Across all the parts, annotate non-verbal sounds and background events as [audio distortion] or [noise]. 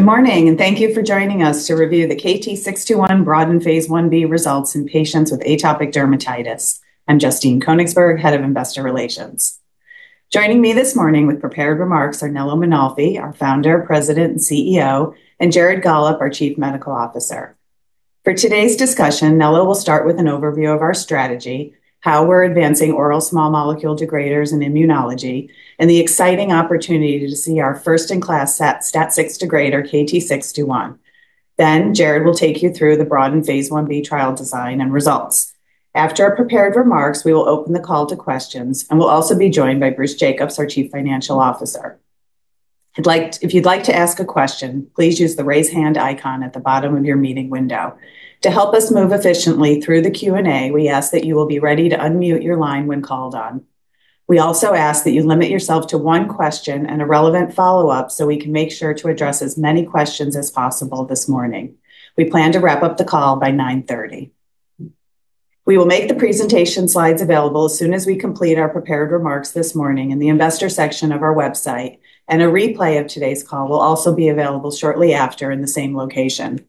Good morning, and thank you for joining us to review the KT-621 phase I-B results in patients with atopic dermatitis. I'm Justine Koenigsberg, Head of Investor Relations. Joining me this morning with prepared remarks are Nello Mainolfi, our Founder, President, and CEO, and Jared Gollob, our Chief Medical Officer. For today's discussion, Nello will start with an overview of our strategy, how we're advancing oral small molecule degraders in immunology, and the exciting opportunity to see our first-in-class STAT6 degrader, KT-621. Then Jared will take you through the phase I-B trial design and results. After our prepared remarks, we will open the call to questions, and we'll also be joined by Bruce Jacobs, our Chief Financial Officer. If you'd like to ask a question, please use the raise hand icon at the bottom of your meeting window. To help us move efficiently through the Q&A, we ask that you will be ready to unmute your line when called on. We also ask that you limit yourself to one question and a relevant follow-up so we can make sure to address as many questions as possible this morning. We plan to wrap up the call by 9:30 A.M. We will make the presentation slides available as soon as we complete our prepared remarks this morning in the Investor section of our website, and a replay of today's call will also be available shortly after in the same location.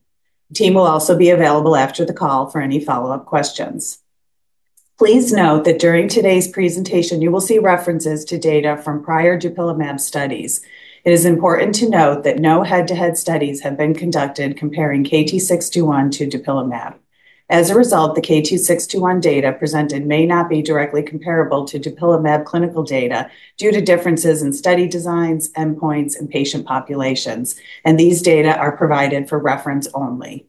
The team will also be available after the call for any follow-up questions. Please note that during today's presentation, you will see references to data from prior dupilumab studies. It is important to note that no head-to-head studies have been conducted comparing KT-621 to dupilumab. As a result, the KT-621 data presented may not be directly comparable to dupilumab clinical data due to differences in study designs, endpoints, and patient populations, and these data are provided for reference only.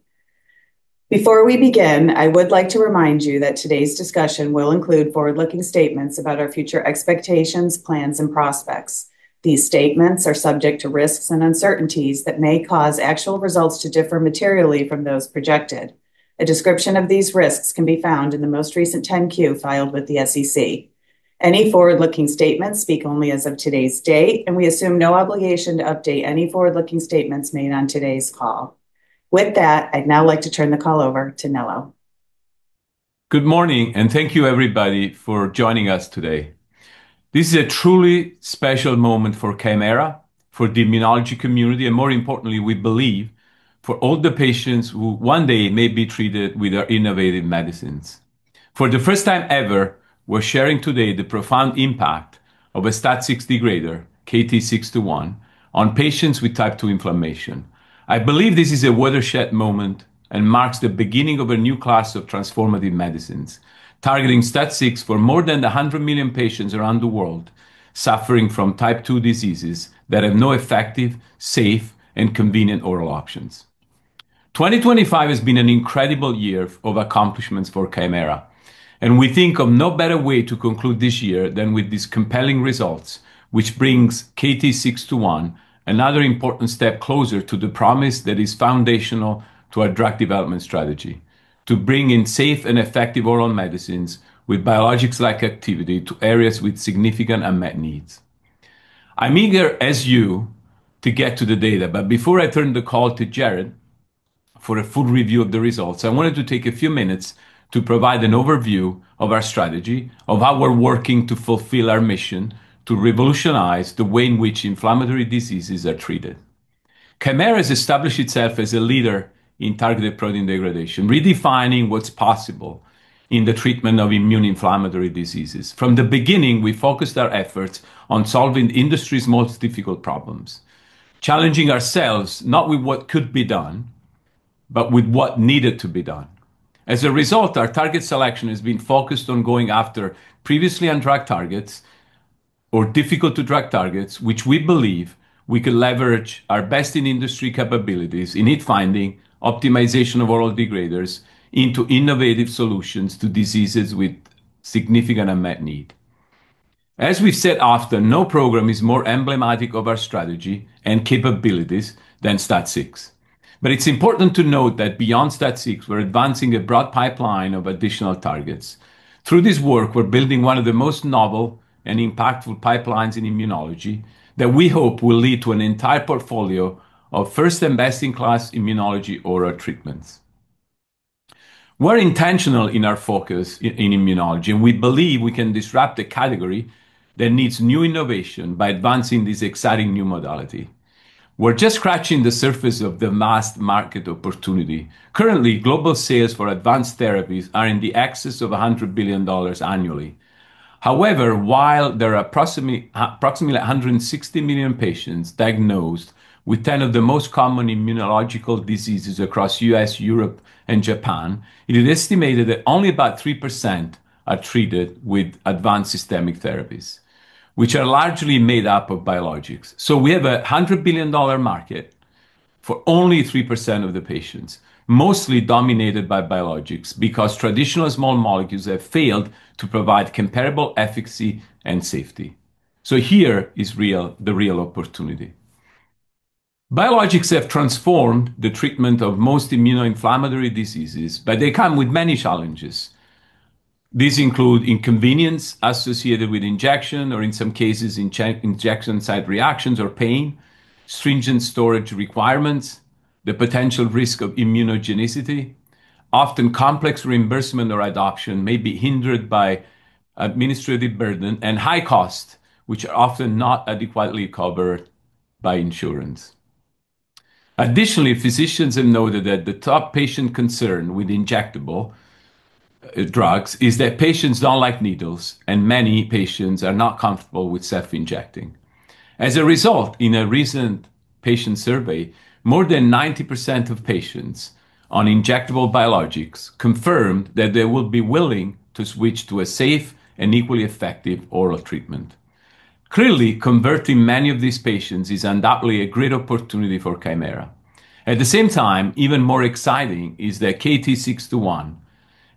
Before we begin, I would like to remind you that today's discussion will include forward-looking statements about our future expectations, plans, and prospects. These statements are subject to risks and uncertainties that may cause actual results to differ materially from those projected. A description of these risks can be found in the most recent 10-Q filed with the SEC. Any forward-looking statements speak only as of today's date, and we assume no obligation to update any forward-looking statements made on today's call. With that, I'd now like to turn the call over to Nello. Good morning, and thank you, everybody, for joining us today. This is a truly special moment for Kymera, for the immunology community, and more importantly, we believe, for all the patients who one day may be treated with our innovative medicines. For the first time ever, we're sharing today the profound impact of a STAT6 degrader, KT-621, on patients with Type 2 inflammation. I believe this is a watershed moment and marks the beginning of a new class of transformative medicines targeting STAT6 for more than 100 million patients around the world suffering from Type 2 diseases that have no effective, safe, and convenient oral options. 2025 has been an incredible year of accomplishments for Kymera, and we think of no better way to conclude this year than with these compelling results, which brings KT-621 another important step closer to the promise that is foundational to our drug development strategy: to bring in safe and effective oral medicines with biologics-like activity to areas with significant unmet needs. I'm eager, as you, to get to the data, but before I turn the call to Jared for a full review of the results, I wanted to take a few minutes to provide an overview of our strategy, of how we're working to fulfill our mission to revolutionize the way in which inflammatory diseases are treated. Kymera has established itself as a leader in targeted protein degradation, redefining what's possible in the treatment of immune inflammatory diseases. From the beginning, we focused our efforts on solving the industry's most difficult problems, challenging ourselves not with what could be done, but with what needed to be done. As a result, our target selection has been focused on going after previously undruggable targets or difficult-to-drug targets, which we believe we could leverage our best-in-industry capabilities in finding optimization of oral degraders into innovative solutions to diseases with significant unmet need. As we've said often, no program is more emblematic of our strategy and capabilities than STAT6. But it's important to note that beyond STAT6, we're advancing a broad pipeline of additional targets. Through this work, we're building one of the most novel and impactful pipelines in immunology that we hope will lead to an entire portfolio of first and best-in-class immunology oral treatments. We're intentional in our focus in immunology, and we believe we can disrupt the category that needs new innovation by advancing this exciting new modality. We're just scratching the surface of the mass market opportunity. Currently, global sales for advanced therapies are in excess of $100 billion annually. However, while there are approximately 160 million patients diagnosed with 10 of the most common immunological diseases across the U.S., Europe, and Japan, it is estimated that only about 3% are treated with advanced systemic therapies, which are largely made up of biologics. So we have a $100 billion market for only 3% of the patients, mostly dominated by biologics because traditional small molecules have failed to provide comparable efficacy and safety, so here is the real opportunity. Biologics have transformed the treatment of most immunoinflammatory diseases, but they come with many challenges. These include inconvenience associated with injection or, in some cases, injection-site reactions or pain, stringent storage requirements, the potential risk of immunogenicity, often complex reimbursement or adoption may be hindered by administrative burden, and high costs, which are often not adequately covered by insurance. Additionally, physicians have noted that the top patient concern with injectable drugs is that patients don't like needles, and many patients are not comfortable with self-injecting. As a result, in a recent patient survey, more than 90% of patients on injectable biologics confirmed that they will be willing to switch to a safe and equally effective oral treatment. Clearly, converting many of these patients is undoubtedly a great opportunity for Kymera. At the same time, even more exciting is that KT-621,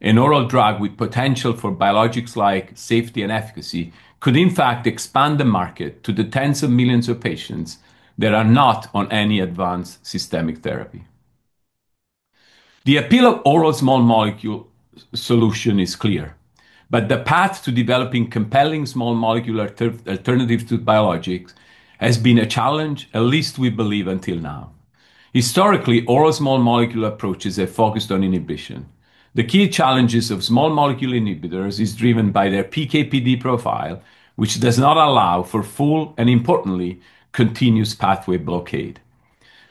an oral drug with potential for biologics-like safety and efficacy, could, in fact, expand the market to the tens of millions of patients that are not on any advanced systemic therapy. The appeal of oral small molecule solutions is clear, but the path to developing compelling small molecule alternatives to biologics has been a challenge, at least we believe, until now. Historically, oral small molecule approaches have focused on inhibition. The key challenges of small molecule inhibitors are driven by their PK/PD profile, which does not allow for full and, importantly, continuous pathway blockade.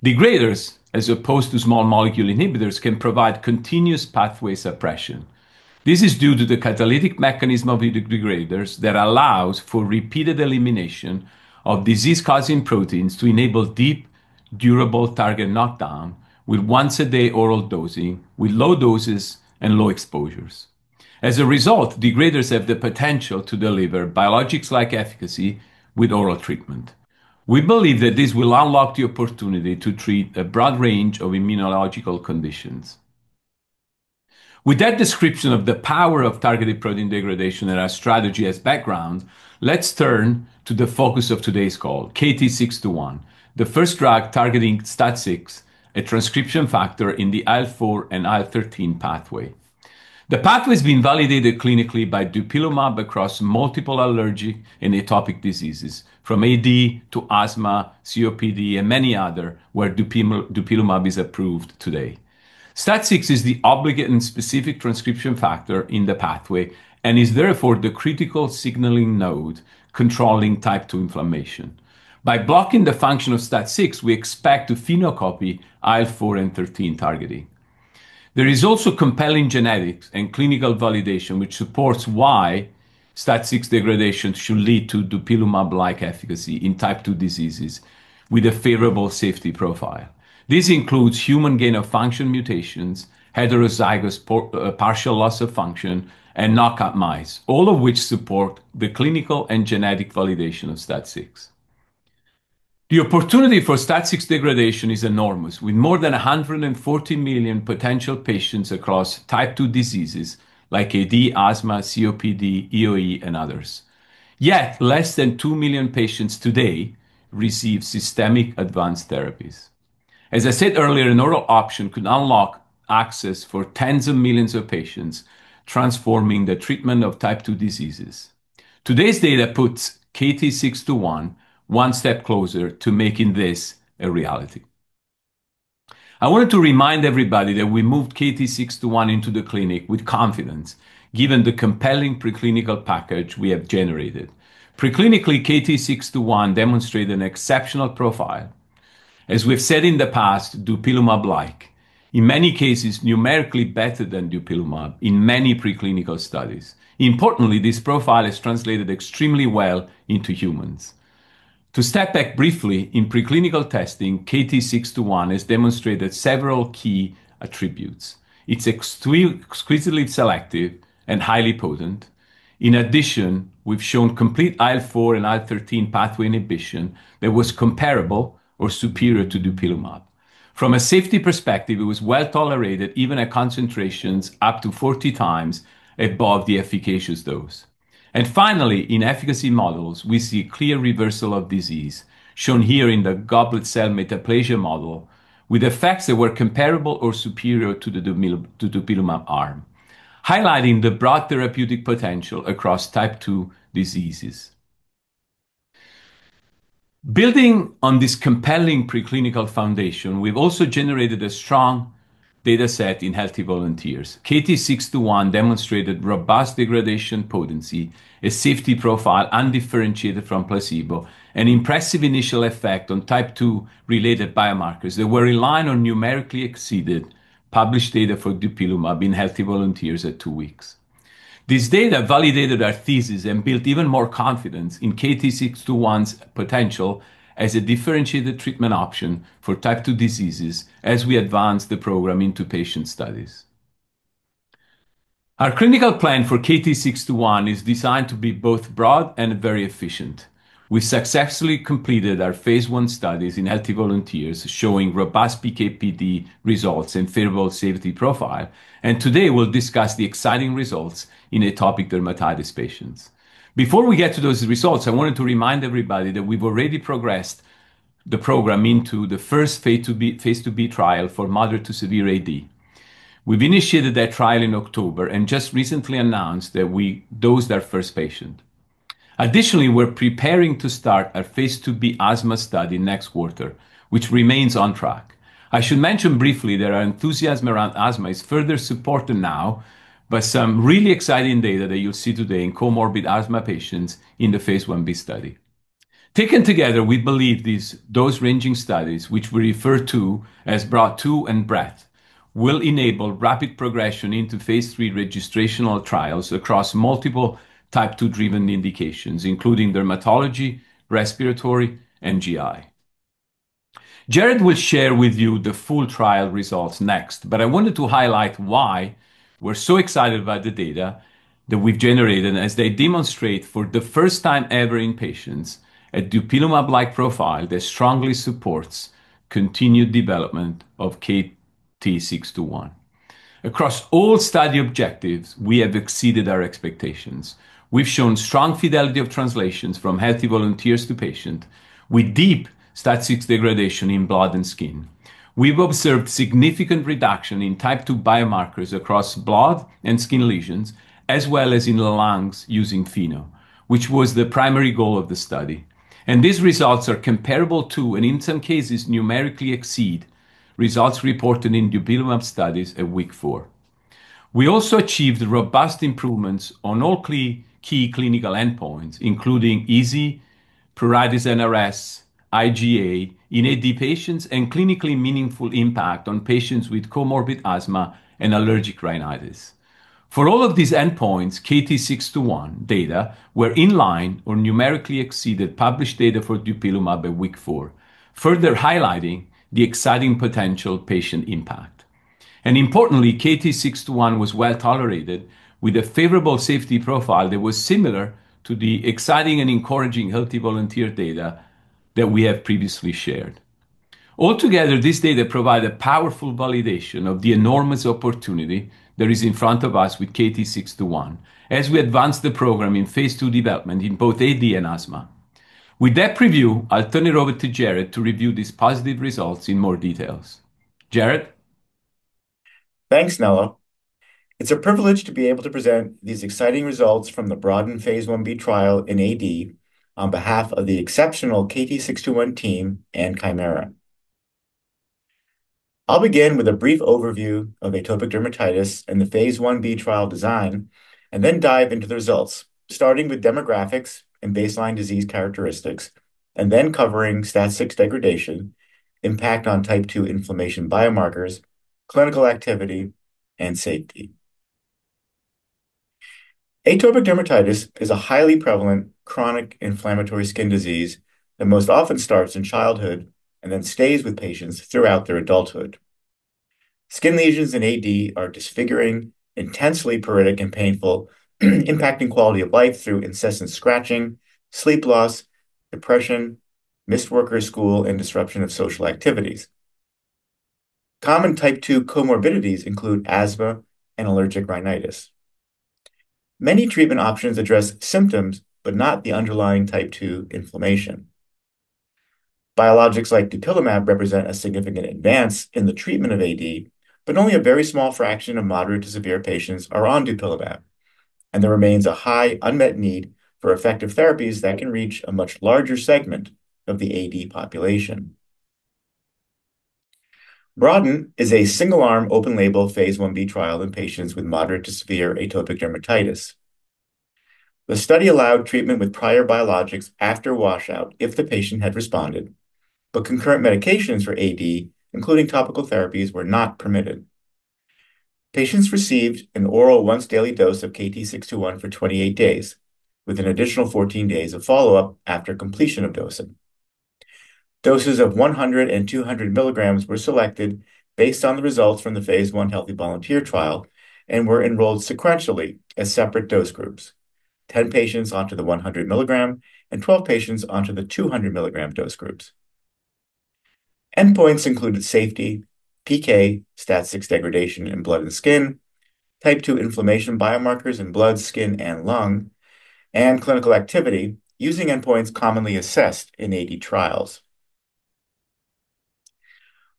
Degraders, as opposed to small molecule inhibitors, can provide continuous pathway suppression. This is due to the catalytic mechanism of the degraders that allows for repeated elimination of disease-causing proteins to enable deep, durable target knockdown with once-a-day oral dosing, with low doses and low exposures. As a result, degraders have the potential to deliver biologics-like efficacy with oral treatment. We believe that this will unlock the opportunity to treat a broad range of immunological conditions. With that description of the power of targeted protein degradation and our strategy as background, let's turn to the focus of today's call, KT-621, the first drug targeting STAT6, a transcription factor in the IL-4 and IL-13 pathway. The pathway has been validated clinically by dupilumab across multiple allergic and atopic diseases, from AD to asthma, COPD, and many others, where dupilumab is approved today. STAT6 is the obligate and specific transcription factor in the pathway and is therefore the critical signaling node controlling Type 2 inflammation. By blocking the function of STAT6, we expect to phenocopy IL-4 and IL-13 targeting. There is also compelling genetics and clinical validation which supports why STAT6 degradation should lead to dupilumab-like efficacy in Type 2 diseases with a favorable safety profile. This includes human gain-of-function mutations, heterozygous partial loss of function, and knockout mice, all of which support the clinical and genetic validation of STAT6. The opportunity for STAT6 degradation is enormous, with more than 140 million potential patients across Type 2 diseases like AD, asthma, COPD, EoE, and others. Yet, less than 2 million patients today receive systemic advanced therapies. As I said earlier, an oral option could unlock access for tens of millions of patients, transforming the treatment of Type 2 diseases. Today's data puts KT-621 one step closer to making this a reality. I wanted to remind everybody that we moved KT-621 into the clinic with confidence, given the compelling preclinical package we have generated. Preclinically, KT-621 demonstrated an exceptional profile. As we've said in the past, dupilumab-like, in many cases, numerically better than dupilumab in many preclinical studies. Importantly, this profile has translated extremely well into humans. To step back briefly, in preclinical testing, KT-621 has demonstrated several key attributes. It's exquisitely selective and highly potent. In addition, we've shown complete IL-4 and IL-13 pathway inhibition that was comparable or superior to dupilumab. From a safety perspective, it was well-tolerated, even at concentrations up to 40 times above the efficacious dose. And finally, in efficacy models, we see clear reversal of disease, shown here in the goblet cell metaplasia model, with effects that were comparable or superior to the dupilumab arm, highlighting the broad therapeutic potential across Type 2 diseases. Building on this compelling preclinical foundation, we've also generated a strong data set in healthy volunteers. KT-621 demonstrated robust degradation potency, a safety profile undifferentiated from placebo, and impressive initial effect on Type 2-related biomarkers that were reliant on numerically exceeded published data for dupilumab in healthy volunteers at two weeks. This data validated our thesis and built even more confidence in KT-621's potential as a differentiated treatment option for Type 2 diseases as we advance the program into patient studies. Our clinical plan for KT-621 is designed to be both broad and very efficient. We successfully completed our phase I studies in healthy volunteers, showing robust PK/PD results and favorable safety profile, and today we'll discuss the exciting results in atopic dermatitis patients. Before we get to those results, I wanted to remind everybody that we've already progressed the program into the first phase II-B trial for moderate to severe AD. We've initiated that trial in October and just recently announced that we dosed our first patient. Additionally, we're preparing to start our phase II-B asthma study next quarter, which remains on track. I should mention briefly that our enthusiasm around asthma is further supported now by some really exciting data that you'll see today in comorbid asthma patients in the phase I-B study. Taken together, we believe these dose-ranging studies, which we refer to as Breadth II and Depth, will enable rapid progression into phase III registrational trials across multiple Type 2-driven indications, including dermatology, respiratory, and GI. Jared will share with you the full trial results next, but I wanted to highlight why we're so excited about the data that we've generated as they demonstrate, for the first time ever in patients, a dupilumab-like profile that strongly supports continued development of KT-621. Across all study objectives, we have exceeded our expectations. We've shown strong fidelity of translations from healthy volunteers to patients with deep STAT6 degradation in blood and skin. We've observed significant reduction in Type 2 biomarkers across blood and skin lesions, as well as in the lungs using FeNO, which was the primary goal of the study. These results are comparable to and, in some cases, numerically exceed results reported in dupilumab studies at week four. We also achieved robust improvements on all key clinical endpoints, including EASI, pruritus NRS, vIGA-AD patients, and clinically meaningful impact on patients with comorbid asthma and allergic rhinitis. For all of these endpoints, KT-621 data were in line or numerically exceeded published data for dupilumab at week four, further highlighting the exciting potential patient impact. Importantly, KT-621 was well-tolerated with a favorable safety profile that was similar to the exciting and encouraging healthy volunteer data that we have previously shared. Altogether, this data provides a powerful validation of the enormous opportunity that is in front of us with KT-621 as we advance the program in phase II development in both AD and asthma. With that preview, I'll turn it over to Jared to review these positive results in more details. Jared? Thanks, Nello. It's a privilege to be able to present these exciting results from the BroADen phase I-B trial in AD on behalf of the exceptional KT-621 team and Kymera. I'll begin with a brief overview of atopic dermatitis and the phase I-B trial design, and then dive into the results, starting with demographics and baseline disease characteristics, and then covering STAT6 degradation, impact on Type 2 inflammation biomarkers, clinical activity, and safety. Atopic dermatitis is a highly prevalent chronic inflammatory skin disease that most often starts in childhood and then stays with patients throughout their adulthood. Skin lesions in AD are disfiguring, intensely pruritic, and painful, impacting quality of life through incessant scratching, sleep loss, depression, missed work or school, and disruption of social activities. Common Type 2 comorbidities include asthma and allergic rhinitis. Many treatment options address symptoms but not the underlying Type 2 inflammation. Biologics like dupilumab represent a significant advance in the treatment of AD, but only a very small fraction of moderate to severe patients are on dupilumab, and there remains a high unmet need for effective therapies that can reach a much larger segment of the AD population. BroADen is a single-arm, open-label phase I-B trial in patients with moderate to severe atopic dermatitis. The study allowed treatment with prior biologics after washout if the patient had responded, but concurrent medications for AD, including topical therapies, were not permitted. Patients received an oral once-daily dose of KT-621 for 28 days, with an additional 14 days of follow-up after completion of dosing. Doses of 100 mg and 200 mg were selected based on the results from the phase I healthy volunteer trial and were enrolled sequentially as separate dose groups: 10 patients onto the 100 mg and 12 patients onto the 200 mg dose groups. Endpoints included safety, PK, STAT6 degradation in blood and skin, Type 2 inflammation biomarkers in blood, skin, and lung, and clinical activity using endpoints commonly assessed in AD trials.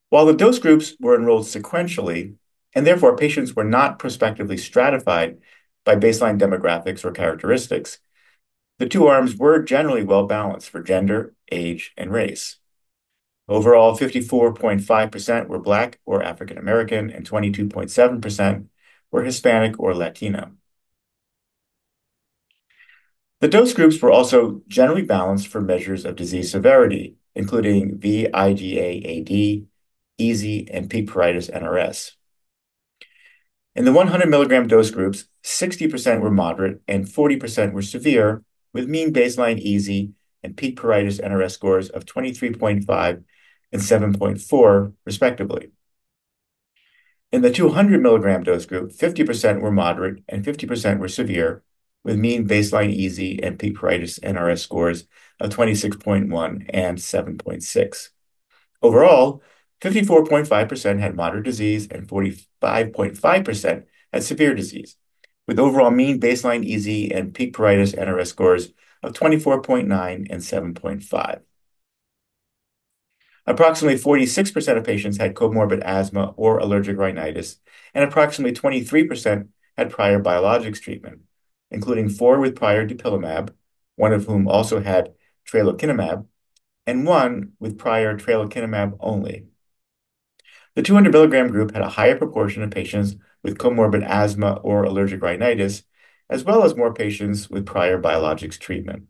While the dose groups were enrolled sequentially, and therefore patients were not prospectively stratified by baseline demographics or characteristics, the two arms were generally well-balanced for gender, age, and race. Overall, 54.5% were Black or African American, and 22.7% were Hispanic or Latino. The dose groups were also generally balanced for measures of disease severity, including vIGA-AD, EASI, Peak Pruritus NRS. In the 100 mg dose groups, 60% were moderate and 40% were severe, with mean baseline EASI and Peak Pruritus NRS scores of 23.5 and 7.4, respectively. In the 200 mg dose group, 50% were moderate and 50% were severe, with mean baseline EASI and Peak Pruritus NRS scores of 26.1 and 7.6. Overall, 54.5% had moderate disease and 45.5% had severe disease, with overall mean baseline EASI and Peak Pruritus NRS scores of 24.9 and 7.5. Approximately 46% of patients had comorbid asthma or allergic rhinitis, and approximately 23% had prior biologics treatment, including four with prior dupilumab, one of whom also had tralokinumab, and one with prior tralokinumab only. The 200 mg group had a higher proportion of patients with comorbid asthma or allergic rhinitis, as well as more patients with prior biologics treatment.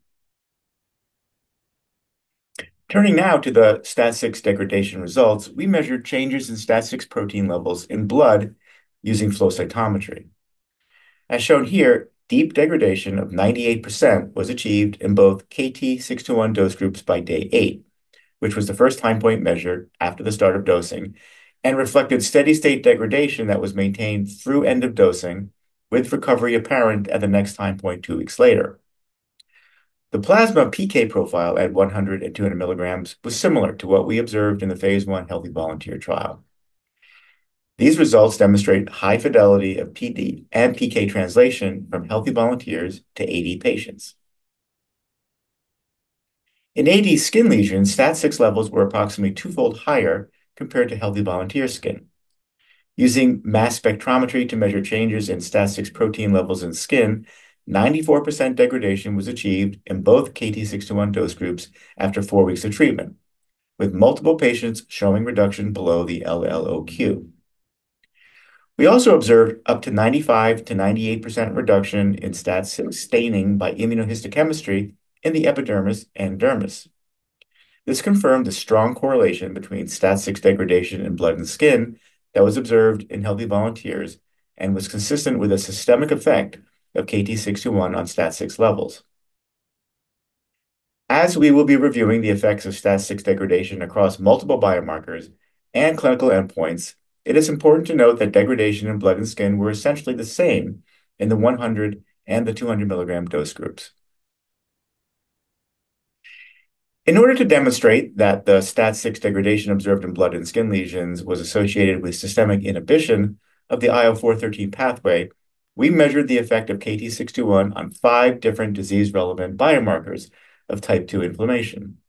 Turning now to the STAT6 degradation results, we measured changes in STAT6 protein levels in blood using flow cytometry. As shown here, deep degradation of 98% was achieved in both KT-621 dose groups by day eight, which was the first time point measured after the start of dosing and reflected steady-state degradation that was maintained through end of dosing, with recovery apparent at the next time point two weeks later. The plasma PK profile at 100 mg and 200 mg was similar to what we observed in the phase I healthy volunteer trial. These results demonstrate high fidelity of PD and PK translation from healthy volunteers to AD patients. In AD skin lesions, STAT6 levels were approximately twofold higher compared to healthy volunteer skin. Using mass spectrometry to measure changes in STAT6 protein levels in skin, 94% degradation was achieved in both KT-621 dose groups after four weeks of treatment, with multiple patients showing reduction below the LLOQ. We also observed up to 95%-98% reduction in STAT6 staining by immunohistochemistry in the epidermis and dermis. This confirmed the strong correlation between STAT6 degradation in blood and skin that was observed in healthy volunteers and was consistent with a systemic effect of KT-621 on STAT6 levels. As we will be reviewing the effects of STAT6 degradation across multiple biomarkers and clinical endpoints, it is important to note that degradation in blood and skin were essentially the same in the 100 mg and the 200 mg dose groups. In order to demonstrate that the STAT6 degradation observed in blood and skin lesions was associated with systemic inhibition of the IL-4/IL-13 pathway, we measured the effect of KT-621 on five different disease-relevant biomarkers of Type 2 inflammation.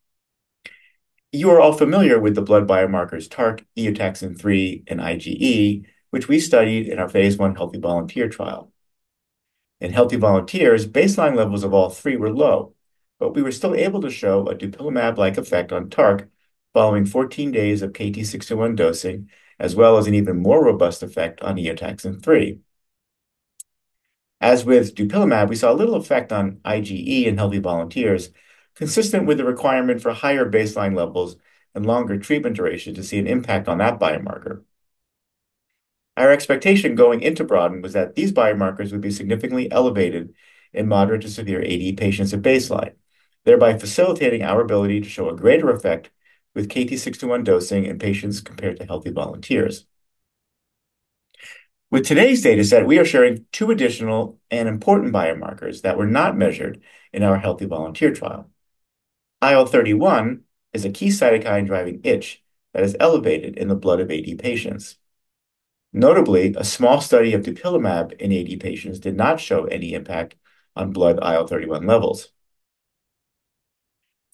You are all familiar with the blood biomarkers TARC, Eotaxin-3, and IgE, which we studied in our phase I healthy volunteer trial. In healthy volunteers, baseline levels of all three were low, but we were still able to show a dupilumab-like effect on TARC following 14 days of KT-621 dosing, as well as an even more robust effect on Eotaxin-3. As with dupilumab, we saw a little effect on IgE in healthy volunteers, consistent with the requirement for higher baseline levels and longer treatment duration to see an impact on that biomarker. Our expectation going into BroADen was that these biomarkers would be significantly elevated in moderate to severe AD patients at baseline, thereby facilitating our ability to show a greater effect with KT-621 dosing in patients compared to healthy volunteers. With today's data set, we are sharing two additional and important biomarkers that were not measured in our healthy volunteer trial. IL-31 is a key cytokine driving itch that is elevated in the blood of AD patients. Notably, a small study of dupilumab in AD patients did not show any impact on blood IL-31 levels.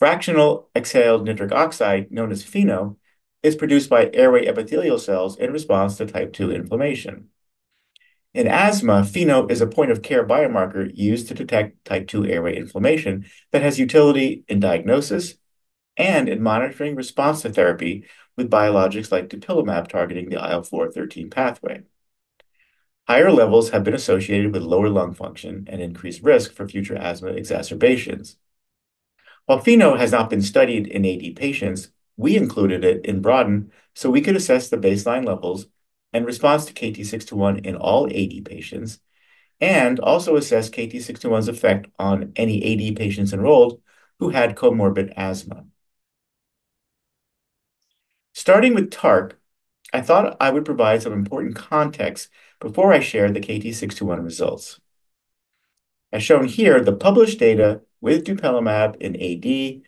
Fractional exhaled nitric oxide, known as FeNO, is produced by airway epithelial cells in response to Type 2 inflammation. In asthma, FeNO is a point-of-care biomarker used to detect Type 2 airway inflammation that has utility in diagnosis and in monitoring response to therapy with biologics like dupilumab targeting the IL-4/IL-13 pathway. Higher levels have been associated with lower lung function and increased risk for future asthma exacerbations. While FeNO has not been studied in AD patients, we included it in BroADen so we could assess the baseline levels and response to KT-621 in all AD patients and also assess KT-621's effect on any AD patients enrolled who had comorbid asthma. Starting with TARC, I thought I would provide some important context before I share the KT-621 results. As shown here, the published data with dupilumab in AD,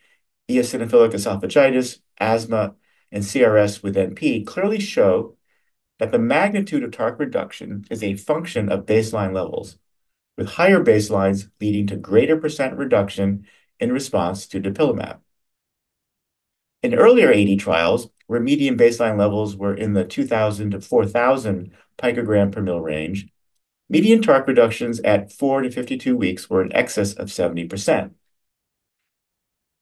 eosinophilic esophagitis, asthma, and CRS with NP clearly show that the magnitude of TARC reduction is a function of baseline levels, with higher baselines leading to greater percent reduction in response to dupilumab. In earlier AD trials, where median baseline levels were in the 2,000-4,000 pg/mL range, median TARC reductions at four to 52 weeks were in excess of 70%.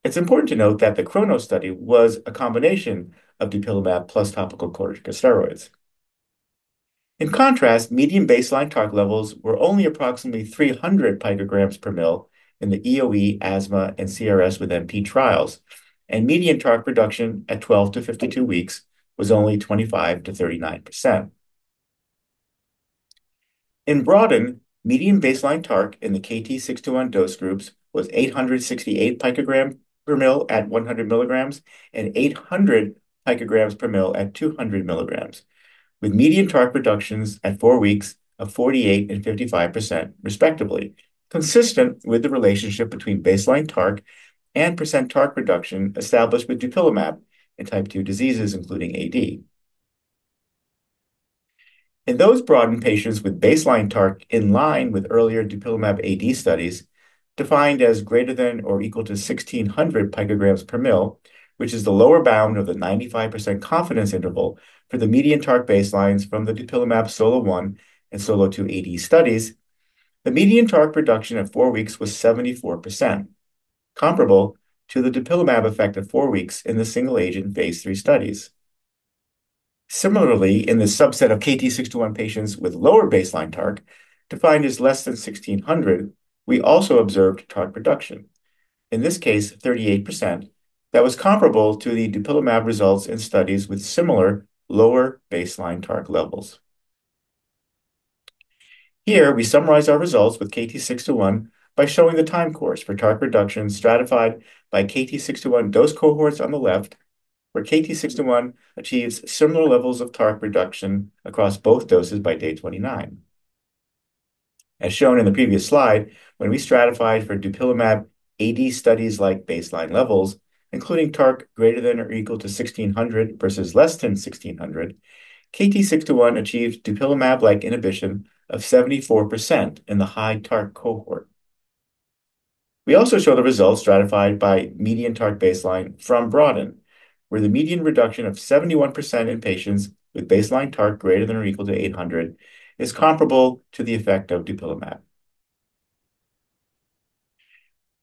It's important to note that the KRONOS study was a combination of dupilumab plus topical corticosteroids. In contrast, median baseline TARC levels were only approximately 300 pg/mL in the EoE, asthma, and CRS with NP trials, and median TARC reduction at 12-52 weeks was only 25%-39%. In BroADen, median baseline TARC in the KT-621 dose groups was 868 pg/mL at 100 mg and 800 pg/mL at 200 mg, with median TARC reductions at four weeks of 48% and 55%, respectively, consistent with the relationship between baseline TARC and percent TARC reduction established with dupilumab in Type 2 diseases, including AD. In those BroADen patients with baseline TARC in line with earlier dupilumab AD studies, defined as greater than or equal to 1,600 pg/mL, which is the lower bound of the 95% confidence interval for the median TARC baselines from the dupilumab SOLO 1 and SOLO 2 AD studies, the median TARC reduction at four weeks was 74%, comparable to the dupilumab effect at four weeks in the single-agent phase III studies. Similarly, in the subset of KT-621 patients with lower baseline TARC, defined as less than 1,600 pg/mL, we also observed TARC reduction, in this case, 38%, that was comparable to the dupilumab results in studies with similar lower baseline TARC levels. Here, we summarize our results with KT-621 by showing the time course for TARC reduction stratified by KT-621 dose cohorts on the left, where KT-621 achieves similar levels of TARC reduction across both doses by day 29. As shown in the previous slide, when we stratified for dupilumab AD studies like baseline levels, including TARC greater than or equal to 1,600 pg/mL versus less than 1,600 pg/mL, KT-621 achieved dupilumab-like inhibition of 74% in the high TARC cohort. We also show the results stratified by median TARC baseline from BroADen, where the median reduction of 71% in patients with baseline TARC greater than or equal to 800 pg/mL is comparable to the effect of dupilumab.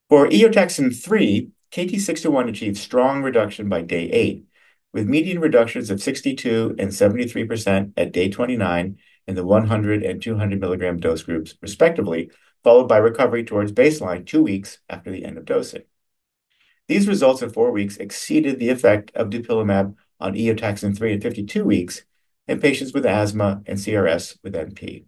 For Eotaxin-3, KT-621 achieved strong reduction by day eight, with median reductions of 62% and 73% at day 29 in the 100 mg and 200 mg dose groups, respectively, followed by recovery towards baseline two weeks after the end of dosing. These results at four weeks exceeded the effect of dupilumab on Eotaxin-3 at 52 weeks in patients with asthma and CRS with NP.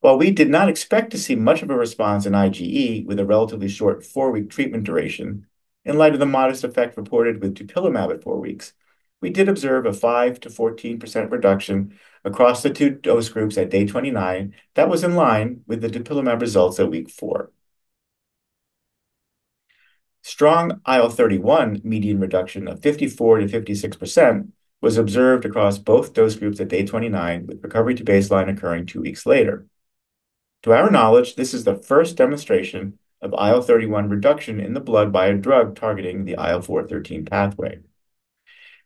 While we did not expect to see much of a response in IgE with a relatively short four-week treatment duration, in light of the modest effect reported with dupilumab at four weeks, we did observe a 5%-14% reduction across the two dose groups at day 29 that was in line with the dupilumab results at week four. Strong IL-31 median reduction of 54%-56% was observed across both dose groups at day 29, with recovery to baseline occurring two weeks later. To our knowledge, this is the first demonstration of IL-31 reduction in the blood by a drug targeting the IL-4/IL-13 pathway.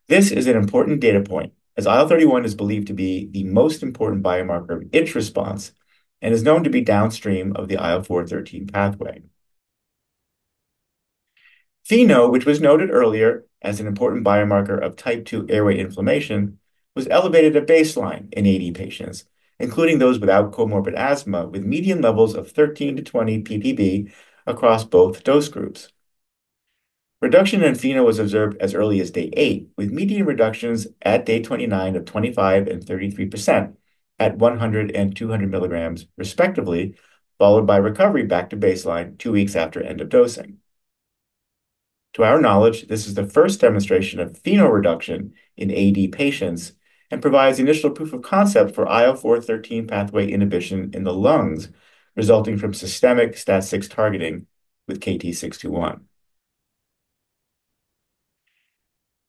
This is an important data point, as IL-31 is believed to be the most important biomarker of itch response and is known to be downstream of the IL-4/IL-13 pathway. FeNO, which was noted earlier as an important biomarker of Type 2 airway inflammation, was elevated at baseline in AD patients, including those without comorbid asthma, with median levels of 13-20 ppb across both dose groups. Reduction in FeNO was observed as early as day eight, with median reductions at day 29 of 25% and 33% at 100 mg and 200 mg, respectively, followed by recovery back to baseline two weeks after end of dosing. To our knowledge, this is the first demonstration of FeNO reduction in AD patients and provides initial proof of concept for IL-4 pathway inhibition in the lungs resulting from systemic STAT6 targeting with KT-621.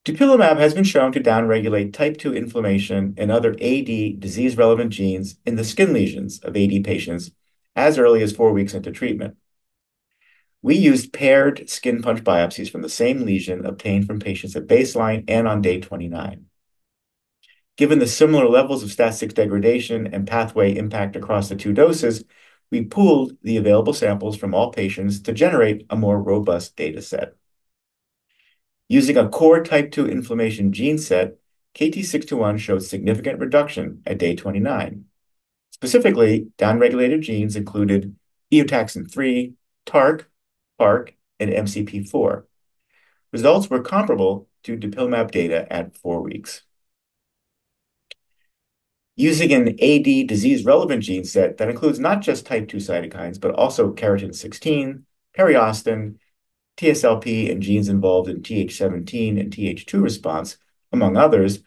dupilumab has been shown to downregulate Type 2 inflammation and other AD disease-relevant genes in the skin lesions of AD patients as early as four weeks into treatment. We used paired skin punch biopsies from the same lesion obtained from patients at baseline and on day 29. Given the similar levels of STAT6 degradation and pathway impact across the two doses, we pooled the available samples from all patients to generate a more robust data set. Using a core Type 2 inflammation gene set, KT-621 showed significant reduction at day 29. Specifically, downregulated genes included Eotaxin-3, TARC, PARC, and MCP-4. Results were comparable to dupilumab data at four weeks. Using an AD disease-relevant gene set that includes not just Type 2 cytokines, but also keratin 16, periostin, TSLP, and genes involved in Th17 and Th2 response, among others,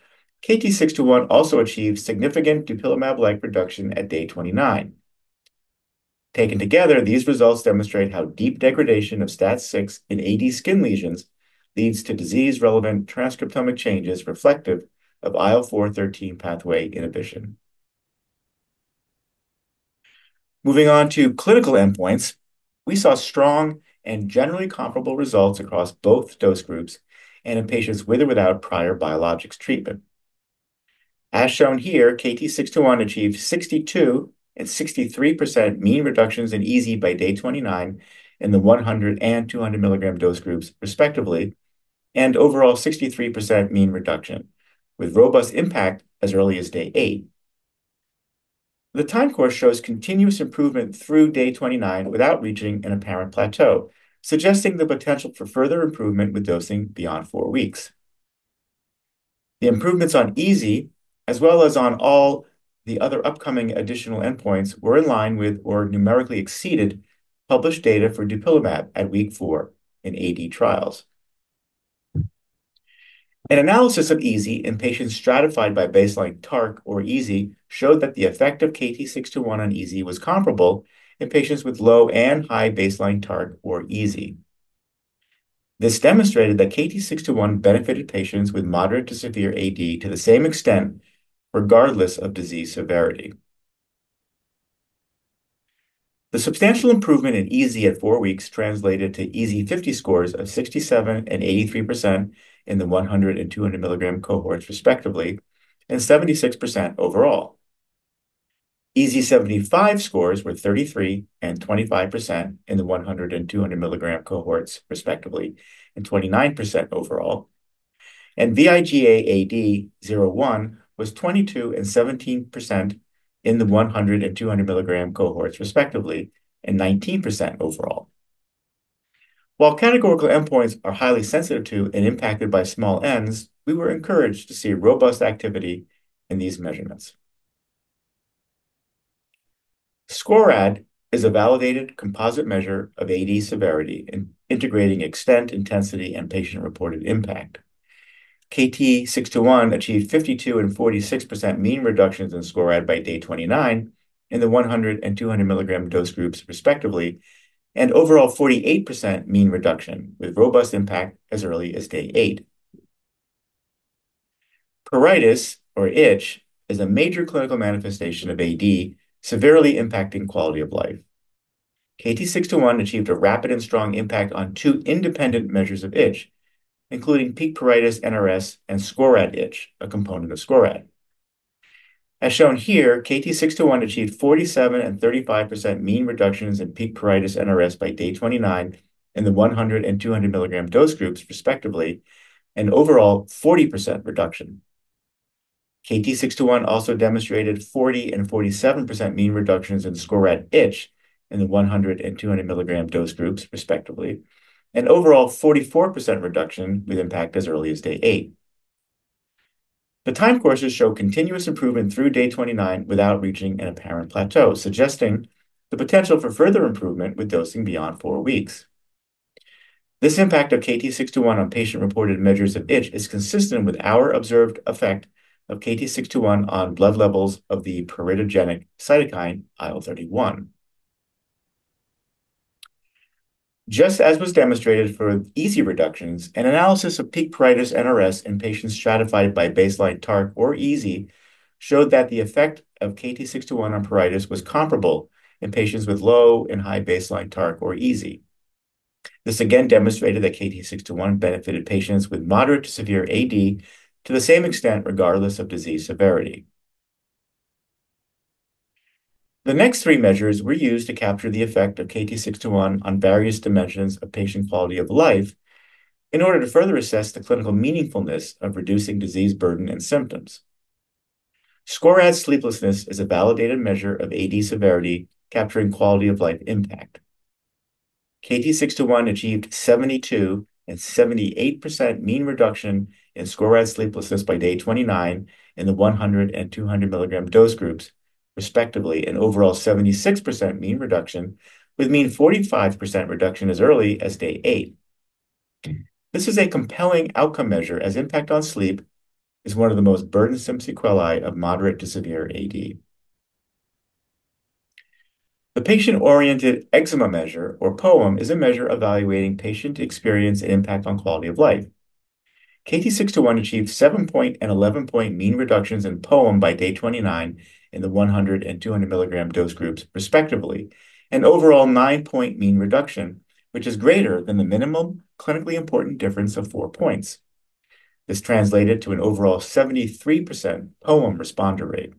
KT-621 also achieved significant dupilumab-like reduction at day 29. Taken together, these results demonstrate how deep degradation of STAT6 in AD skin lesions leads to disease-relevant transcriptomic changes reflective of IL-4/IL-13 pathway inhibition. Moving on to clinical endpoints, we saw strong and generally comparable results across both dose groups and in patients with or without prior biologics treatment. As shown here, KT-621 achieved 62% and 63% mean reductions in EASI by day 29 in the 100 mg and 200 mg dose groups, respectively, and overall 63% mean reduction, with robust impact as early as day eight. The time course shows continuous improvement through day 29 without reaching an apparent plateau, suggesting the potential for further improvement with dosing beyond four weeks. The improvements on EASI, as well as on all the other upcoming additional endpoints, were in line with or numerically exceeded published data for dupilumab at week four in AD trials. An analysis of EASI in patients stratified by baseline TARC or EASI showed that the effect of KT-621 on EASI was comparable in patients with low and high baseline TARC or EASI. This demonstrated that KT-621 benefited patients with moderate to severe AD to the same extent, regardless of disease severity. The substantial improvement in EASI at four weeks translated to EASI-50 scores of 67% and 83% in the 100 mg and 200 mg cohorts, respectively, and 76% overall. EASI-75 scores were 33% and 25% in the 100 mg and 200 mg cohorts, respectively, and 29% overall. vIGA-AD 0/1 was 22% and 17% in the 100 mg and 200 mg cohorts, respectively, and 19% overall. While categorical endpoints are highly sensitive to and impacted by small Ns, we were encouraged to see robust activity in these measurements. SCORAD is a validated composite measure of AD severity in integrating extent, intensity, and patient-reported impact. KT-621 achieved 52% and 46% mean reductions in SCORAD by day 29 in the 100 mg and 200 mg dose groups, respectively, and overall 48% mean reduction with robust impact as early as day eight. Pruritus, or itch, is a major clinical manifestation of AD, severely impacting quality of life. KT-621 achieved a rapid and strong impact on two independent measures of itch, including Peak Pruritus NRS and SCORAD itch, a component of SCORAD. As shown here, KT-621 achieved 47% and 35% mean reductions in Peak Pruritus NRS by day 29 in the 100 mg and 200 mg dose groups, respectively, and overall 40% reduction. KT-621 also demonstrated 40% and 47% mean reductions in SCORAD itch in the 100 mg and 200 mg dose groups, respectively, and overall 44% reduction with impact as early as day eight. The time courses show continuous improvement through day 29 without reaching an apparent plateau, suggesting the potential for further improvement with dosing beyond four weeks. This impact of KT-621 on patient-reported measures of itch is consistent with our observed effect of KT-621 on blood levels of the pruritogenic cytokine IL-31. Just as was demonstrated for EASI reductions, an analysis of Peak Pruritus NRS in patients stratified by baseline TARC or EASI showed that the effect of KT-621 on pruritus was comparable in patients with low and high baseline TARC or EASI. This again demonstrated that KT-621 benefited patients with moderate to severe AD to the same extent, regardless of disease severity. The next three measures were used to capture the effect of KT-621 on various dimensions of patient quality of life in order to further assess the clinical meaningfulness of reducing disease burden and symptoms. SCORAD sleeplessness is a validated measure of AD severity capturing quality of life impact. KT-621 achieved 72% and 78% mean reduction in SCORAD sleeplessness by day 29 in the 100 mg and 200 mg dose groups, respectively, and overall 76% mean reduction with mean 45% reduction as early as day eight. This is a compelling outcome measure as impact on sleep is one of the most burdensome sequelae of moderate to severe AD. The Patient-Oriented Eczema Measure, or POEM, is a measure evaluating patient experience and impact on quality of life. KT-621 achieved seven point and 11 point mean reductions in POEM by day 29 in the 100 mg and 200 mg dose groups, respectively, and overall nine point mean reduction, which is greater than the minimum clinically important difference of four points. This translated to an overall 73% POEM responder rate.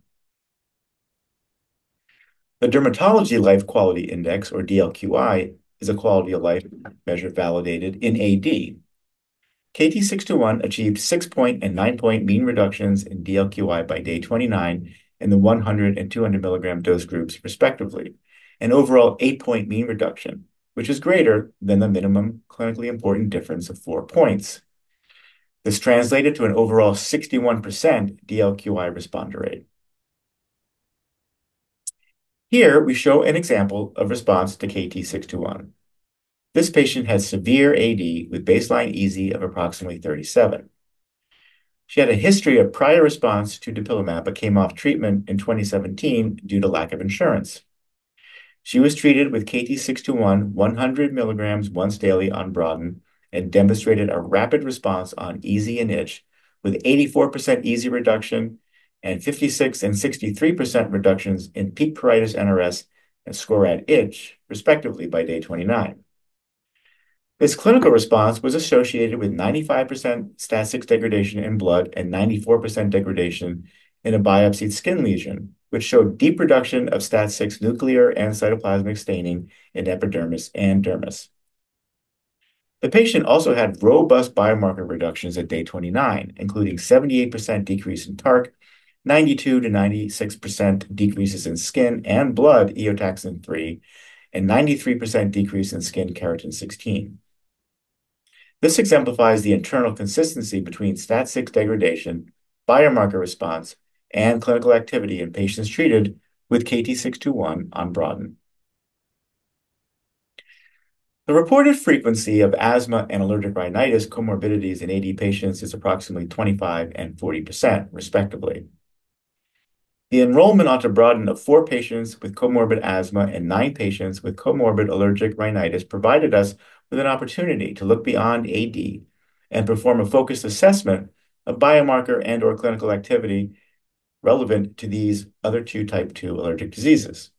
The Dermatology Life Quality Index, or DLQI, is a quality of life measure validated in AD. KT-621 achieved six point and nine point mean reductions in DLQI by day 29 in the 100 mg and 200 mg dose groups, respectively, and overall eight point mean reduction, which is greater than the minimum clinically important difference of four points. This translated to an overall 61% DLQI responder rate. Here, we show an example of response to KT-621. This patient has severe AD with baseline EASI of approximately 37. She had a history of prior response to dupilumab but came off treatment in 2017 due to lack of insurance. She was treated with KT-621 100 mg once daily on BroADen and demonstrated a rapid response on EASI and itch with 84% EASI reduction and 56% and 63% reductions in Peak Pruritus NRS and SCORAD itch, respectively, by day 29. This clinical response was associated with 95% STAT6 degradation in blood and 94% degradation in a biopsied skin lesion, which showed deep reduction of STAT6 nuclear and cytoplasmic staining in epidermis and dermis. The patient also had robust biomarker reductions at day 29, including 78% decrease in TARC, 92%-96% decreases in skin and blood Eotaxin-3, and 93% decrease in skin keratin 16. This exemplifies the internal consistency between STAT6 degradation, biomarker response, and clinical activity in patients treated with KT-621 on BroADen. The reported frequency of asthma and allergic rhinitis comorbidities in AD patients is approximately 25% and 40%, respectively. The enrollment onto BroADen of four patients with comorbid asthma and nine patients with comorbid allergic rhinitis provided us with an opportunity to look beyond AD and perform a focused assessment of biomarker and/or clinical activity relevant to these other two Type 2 allergic diseases.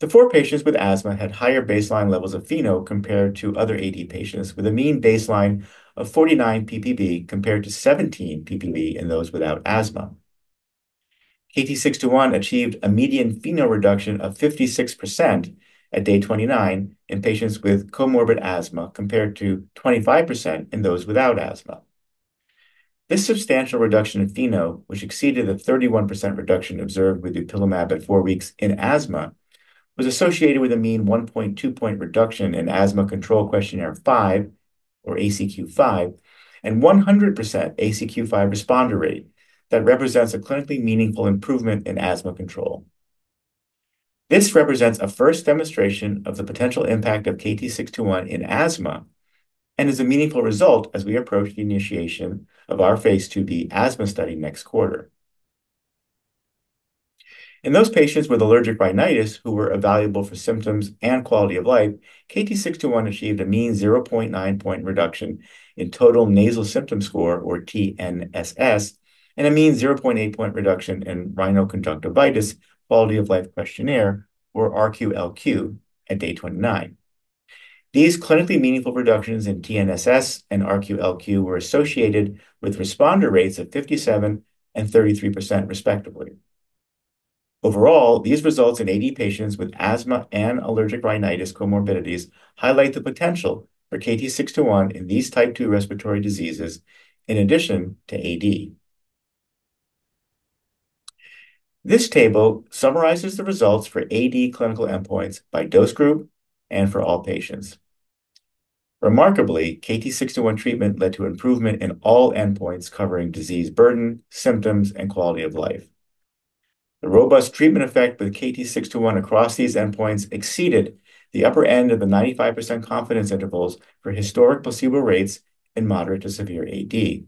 The four patients with asthma had higher baseline levels of FeNO compared to other AD patients, with a mean baseline of 49 ppb compared to 17 ppb in those without asthma. KT-621 achieved a median FeNO reduction of 56% at day 29 in patients with comorbid asthma compared to 25% in those without asthma. This substantial reduction in FeNO, which exceeded the 31% reduction observed with dupilumab at four weeks in asthma, was associated with a mean 1.2-point reduction in Asthma Control Questionnaire 5, or ACQ5, and 100% ACQ5 responder rate that represents a clinically meaningful improvement in asthma control. This represents a first demonstration of the potential impact of KT-621 in asthma and is a meaningful result as we approach the initiation of our phase II-B asthma study next quarter. In those patients with allergic rhinitis who were evaluable for symptoms and quality of life, KT-621 achieved a mean 0.9-point reduction in Total Nasal Symptom Score, or TNSS, and a mean 0.8-point reduction in Rhinoconjunctivitis Quality of Life Questionnaire, or RQLQ, at day 29. These clinically meaningful reductions in TNSS and RQLQ were associated with responder rates of 57% and 33%, respectively. Overall, these results in AD patients with asthma and allergic rhinitis comorbidities highlight the potential for KT-621 in these Type 2 respiratory diseases in addition to AD. This table summarizes the results for AD clinical endpoints by dose group and for all patients. Remarkably, KT-621 treatment led to improvement in all endpoints covering disease burden, symptoms, and quality of life. The robust treatment effect with KT-621 across these endpoints exceeded the upper end of the 95% confidence intervals for historic placebo rates in moderate to severe AD.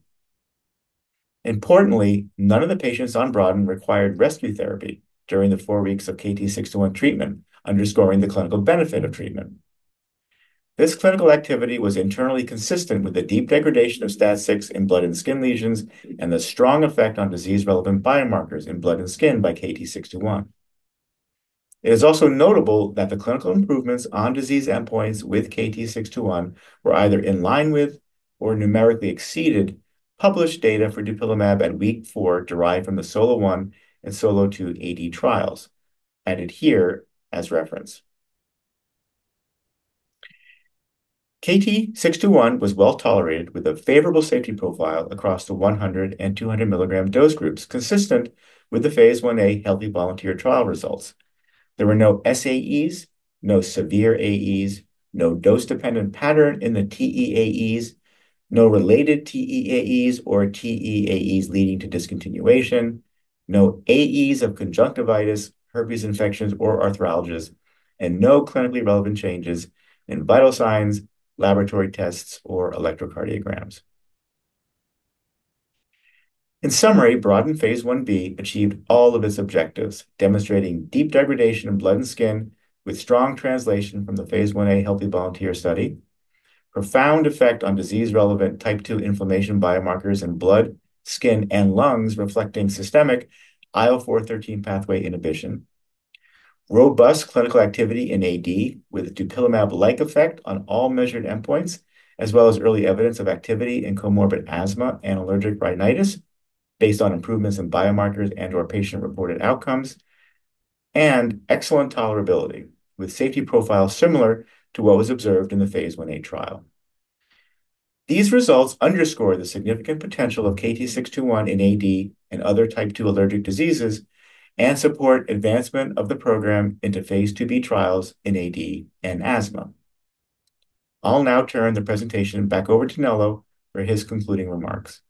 Importantly, none of the patients on BroADen required rescue therapy during the four weeks of KT-621 treatment, underscoring the clinical benefit of treatment. This clinical activity was internally consistent with the deep degradation of STAT6 in blood and skin lesions and the strong effect on disease-relevant biomarkers in blood and skin by KT-621. It is also notable that the clinical improvements on disease endpoints with KT-621 were either in line with or numerically exceeded published data for dupilumab at week four derived from the SOLO 1 and SOLO 2 AD trials, added here as reference. KT-621 was well-tolerated with a favorable safety profile across the 100 mg and 200 mg dose groups, consistent with the phase I-A healthy volunteer trial results. There were no SAEs, no severe AEs, no dose-dependent pattern in the TEAEs, no related TEAEs or TEAEs leading to discontinuation, no AEs of conjunctivitis, herpes infections, or arthralgias, and no clinically relevant changes in vital signs, laboratory tests, or electrocardiograms. In summary, BroADen phase I-B achieved all of its objectives, demonstrating deep degradation in blood and skin with strong translation from the phase I-A healthy volunteer study, profound effect on disease-relevant Type 2 inflammation biomarkers in blood, skin, and lungs, reflecting systemic IL-4/IL-13 pathway inhibition, robust clinical activity in AD with dupilumab-like effect on all measured endpoints, as well as early evidence of activity in comorbid asthma and allergic rhinitis based on improvements in biomarkers and/or patient-reported outcomes, and excellent tolerability with safety profiles similar to what was observed in the phase I-A trial. These results underscore the significant potential of KT-621 in AD and other Type 2 allergic diseases and support advancement of the program into phase II-B trials in AD and asthma. I'll now turn the presentation back over to Nello for his concluding remarks.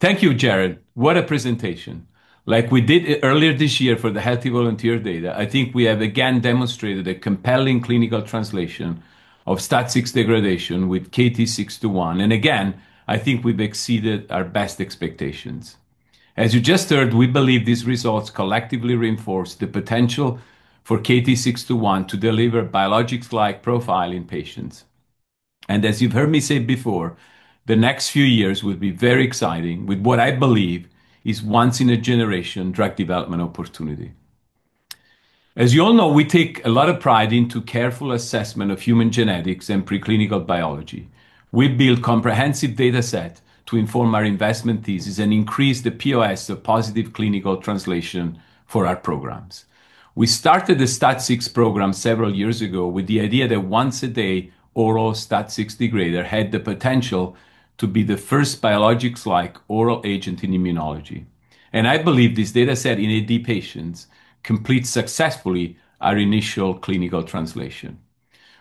Thank you, Jared. What a presentation. Like we did earlier this year for the healthy volunteer data, I think we have again demonstrated a compelling clinical translation of STAT6 degradation with KT-621. And again, I think we've exceeded our best expectations. As you just heard, we believe these results collectively reinforce the potential for KT-621 to deliver biologics-like profile in patients. And as you've heard me say before, the next few years will be very exciting with what I believe is once-in-a-generation drug development opportunity. As you all know, we take a lot of pride in careful assessment of human genetics and preclinical biology. We build comprehensive data sets to inform our investment thesis and increase the POS of positive clinical translation for our programs. We started the STAT6 program several years ago with the idea that once-a-day oral STAT6 degrader had the potential to be the first biologics-like oral agent in immunology. And I believe this data set in AD patients completes successfully our initial clinical translation.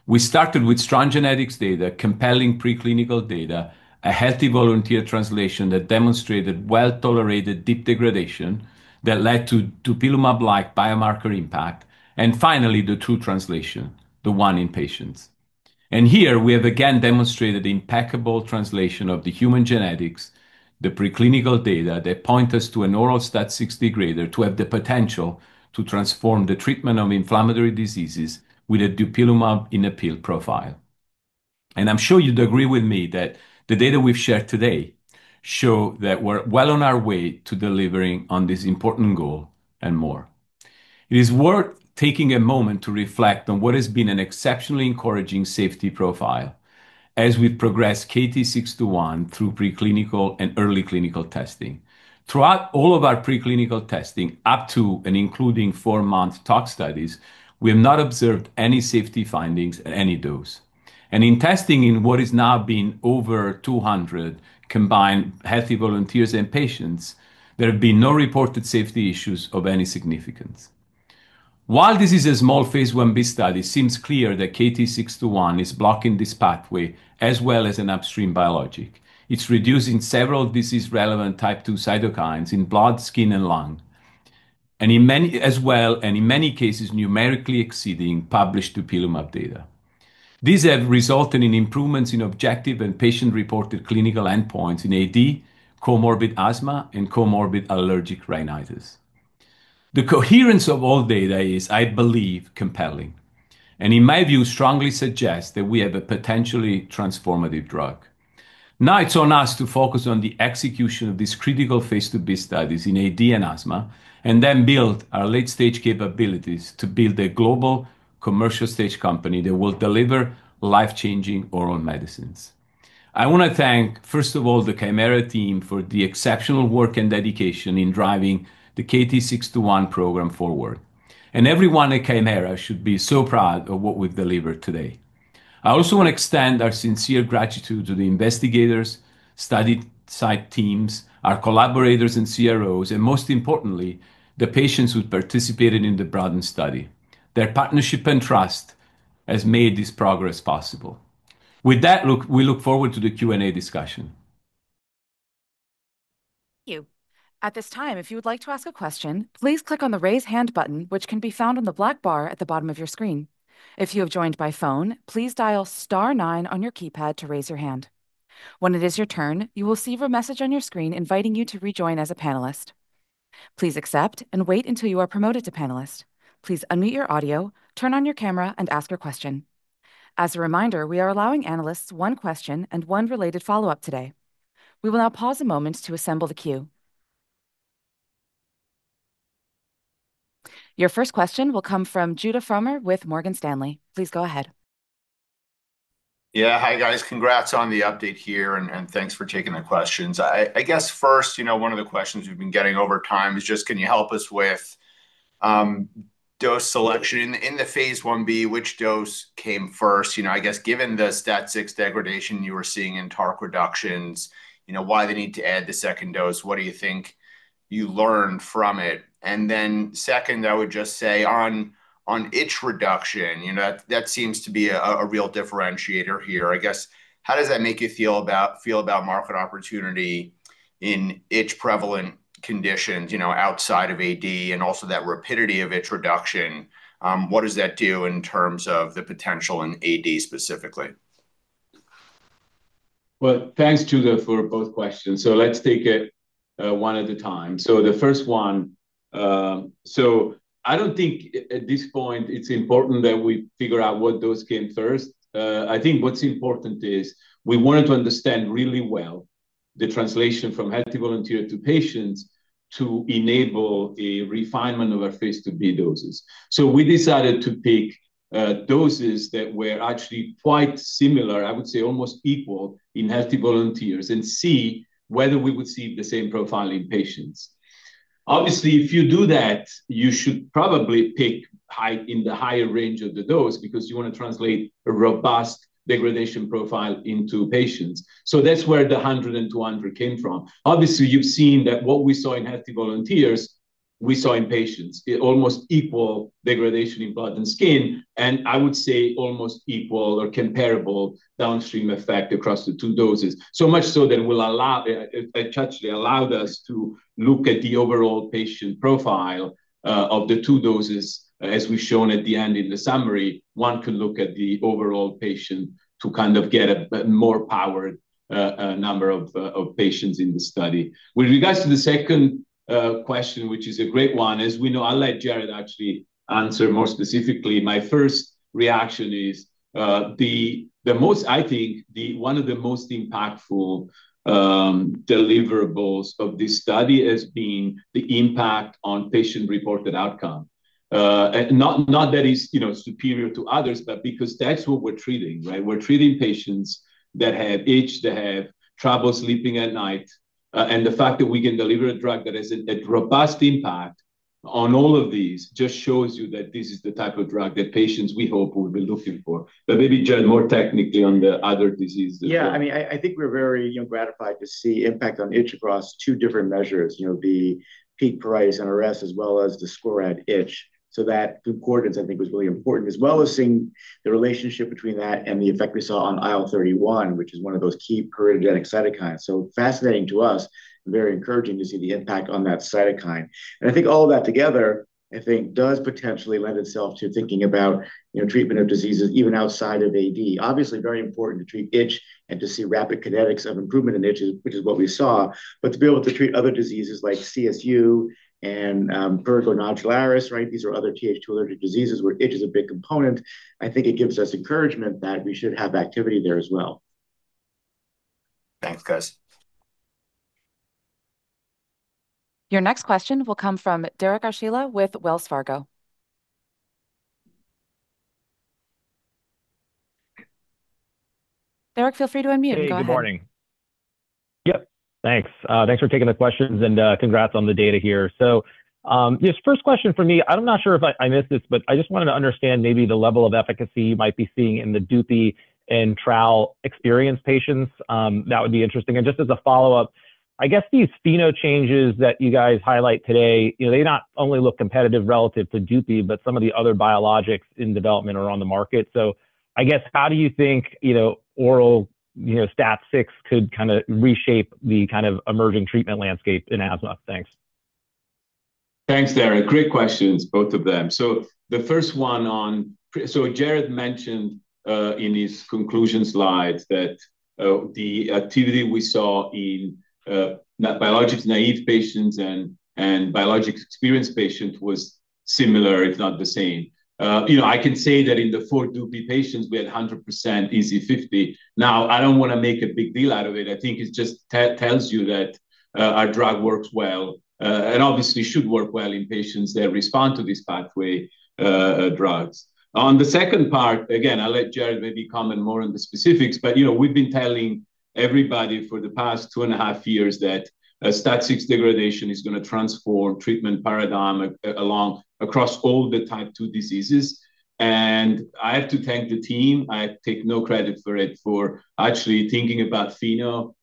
We started with strong genetics data, compelling preclinical data, a healthy volunteer translation that demonstrated well-tolerated deep degradation that led to dupilumab-like biomarker impact, and finally, the two translations, the one in patients. And here, we have again demonstrated the impeccable translation of the human genetics, the preclinical data that point us to an oral STAT6 degrader to have the potential to transform the treatment of inflammatory diseases with a dupilumab in-a-pill profile. And I'm sure you'd agree with me that the data we've shared today show that we're well on our way to delivering on this important goal and more. It is worth taking a moment to reflect on what has been an exceptionally encouraging safety profile as we've progressed KT-621 through preclinical and early clinical testing. Throughout all of our preclinical testing up to and including four-month tox studies, we have not observed any safety findings at any dose. And in testing in what has now been over 200 combined healthy volunteers and patients, there have been no reported safety issues of any significance. While this is a small phase I-B study, it seems clear that KT-621 is blocking this pathway as well as an upstream biologic. It's reducing several disease-relevant Type 2 cytokines in blood, skin, and lung, and in many as well, and in many cases numerically exceeding published dupilumab data. These have resulted in improvements in objective and patient-reported clinical endpoints in AD, comorbid asthma, and comorbid allergic rhinitis. The coherence of all data is, I believe, compelling, and in my view, strongly suggests that we have a potentially transformative drug. Now it's on us to focus on the execution of these critical phase II-B studies in AD and asthma and then build our late-stage capabilities to build a global commercial stage company that will deliver life-changing oral medicines. I want to thank, first of all, the Kymera team for the exceptional work and dedication in driving the KT-621 program forward, and everyone at Kymera should be so proud of what we've delivered today. I also want to extend our sincere gratitude to the investigators, study site teams, our collaborators and CROs, and most importantly, the patients who participated in the BroADen study. Their partnership and trust has made this progress possible. With that, we look forward to the Q&A discussion. Thank you. At this time, if you would like to ask a question, please click on the raise hand button, which can be found on the black bar at the bottom of your screen. If you have joined by phone, please dial star nine on your keypad to raise your hand. When it is your turn, you will see a message on your screen inviting you to rejoin as a panelist. Please accept and wait until you are prompted to panelist. Please unmute your audio, turn on your camera, and ask your question. As a reminder, we are allowing analysts one question and one related follow-up today. We will now pause a moment to assemble the queue. Your first question will come from Judah Frommer with Morgan Stanley. Please go ahead. Yeah, hi guys. Congrats on the update here, and thanks for taking the questions. I guess first, you know, one of the questions we've been getting over time is just, can you help us with dose selection in the phase I-B? Which dose came first? You know, I guess given the STAT6 degradation you were seeing in TARC reductions, you know, why the need to add the second dose? What do you think you learned from it? And then second, I would just say on itch reduction, you know, that seems to be a real differentiator here. I guess, how does that make you feel about market opportunity in itch-prevalent conditions, you know, outside of AD and also that rapidity of itch reduction? What does that do in terms of the potential in AD specifically? Well, thanks, Judah, for both questions. So let's take it one at a time. So the first one, so I don't think at this point it's important that we figure out what dose came first. I think what's important is we wanted to understand really well the translation from healthy volunteer to patients to enable a refinement of our phase II-B doses. So we decided to pick doses that were actually quite similar, I would say almost equal in healthy volunteers, and see whether we would see the same profile in patients. Obviously, if you do that, you should probably pick in the higher range of the dose because you want to translate a robust degradation profile into patients. So that's where the 100 mg and 200 mg came from. Obviously, you've seen that what we saw in healthy volunteers, we saw in patients, almost equal degradation in blood and skin, and I would say almost equal or comparable downstream effect across the two doses. So much so that it touched and allowed us to look at the overall patient profile of the two doses as we've shown at the end in the summary. One could look at the overall patient to kind of get a more powered number of patients in the study. With regards to the second question, which is a great one, as we know, I'll let Jared actually answer more specifically. My first reaction is the most, I think, one of the most impactful deliverables of this study has been the impact on patient-reported outcome. Not that it's, you know, superior to others, but because that's what we're treating, right? We're treating patients that have itch, that have trouble sleeping at night, and the fact that we can deliver a drug that has a robust impact on all of these just shows you that this is the type of drug that patients we hope will be looking for. But maybe, Jared, more technically on the other diseases. Yeah, I mean, I think we're very, you know, gratified to see impact on itch across two different measures, you know, the Peak Pruritus NRS as well as the SCORAD itch. So that concordance, I think, was really important, as well as seeing the relationship between that and the effect we saw on IL-31, which is one of those key pruritogenic cytokines. So fascinating to us and very encouraging to see the impact on that cytokine. And I think all of that together, I think, does potentially lend itself to thinking about, you know, treatment of diseases even outside of AD. Obviously, very important to treat itch and to see rapid kinetics of improvement in itch, which is what we saw, but to be able to treat other diseases like CSU and prurigo nodularis, right? These are other Th2 allergic diseases where itch is a big component. I think it gives us encouragement that we should have activity there as well. Thanks, guys. Your next question will come from Derek Archila with Wells Fargo. Derek, feel free to unmute. Good morning. Yep, thanks. Thanks for taking the questions and congrats on the data here. So this first question for me, I'm not sure if I missed this, but I just wanted to understand maybe the level of efficacy you might be seeing in the dupi and tral experienced patients. That would be interesting. And just as a follow-up, I guess these phenotypes changes that you guys highlight today, you know, they not only look competitive relative to dupi, but some of the other biologics in development are on the market. So I guess, how do you think, you know, oral, you know, STAT6 could kind of reshape the kind of emerging treatment landscape in asthma? Thanks. Thanks, Derek. Great questions, both of them. Jared mentioned in his conclusion slides that the activity we saw in biologics naive patients and biologics experienced patients was similar, if not the same. You know, I can say that in the four dupi patients, we had 100% EASI 50. Now, I don't want to make a big deal out of it. I think it just tells you that our drug works well and obviously should work well in patients that respond to this pathway drugs. On the second part, again, I'll let Jared maybe comment more on the specifics, but you know, we've been telling everybody for the past two and a half years that STAT6 degradation is going to transform treatment paradigm across all the Type 2 diseases. And I have to thank the team. I take no credit for it for actually thinking about FeNO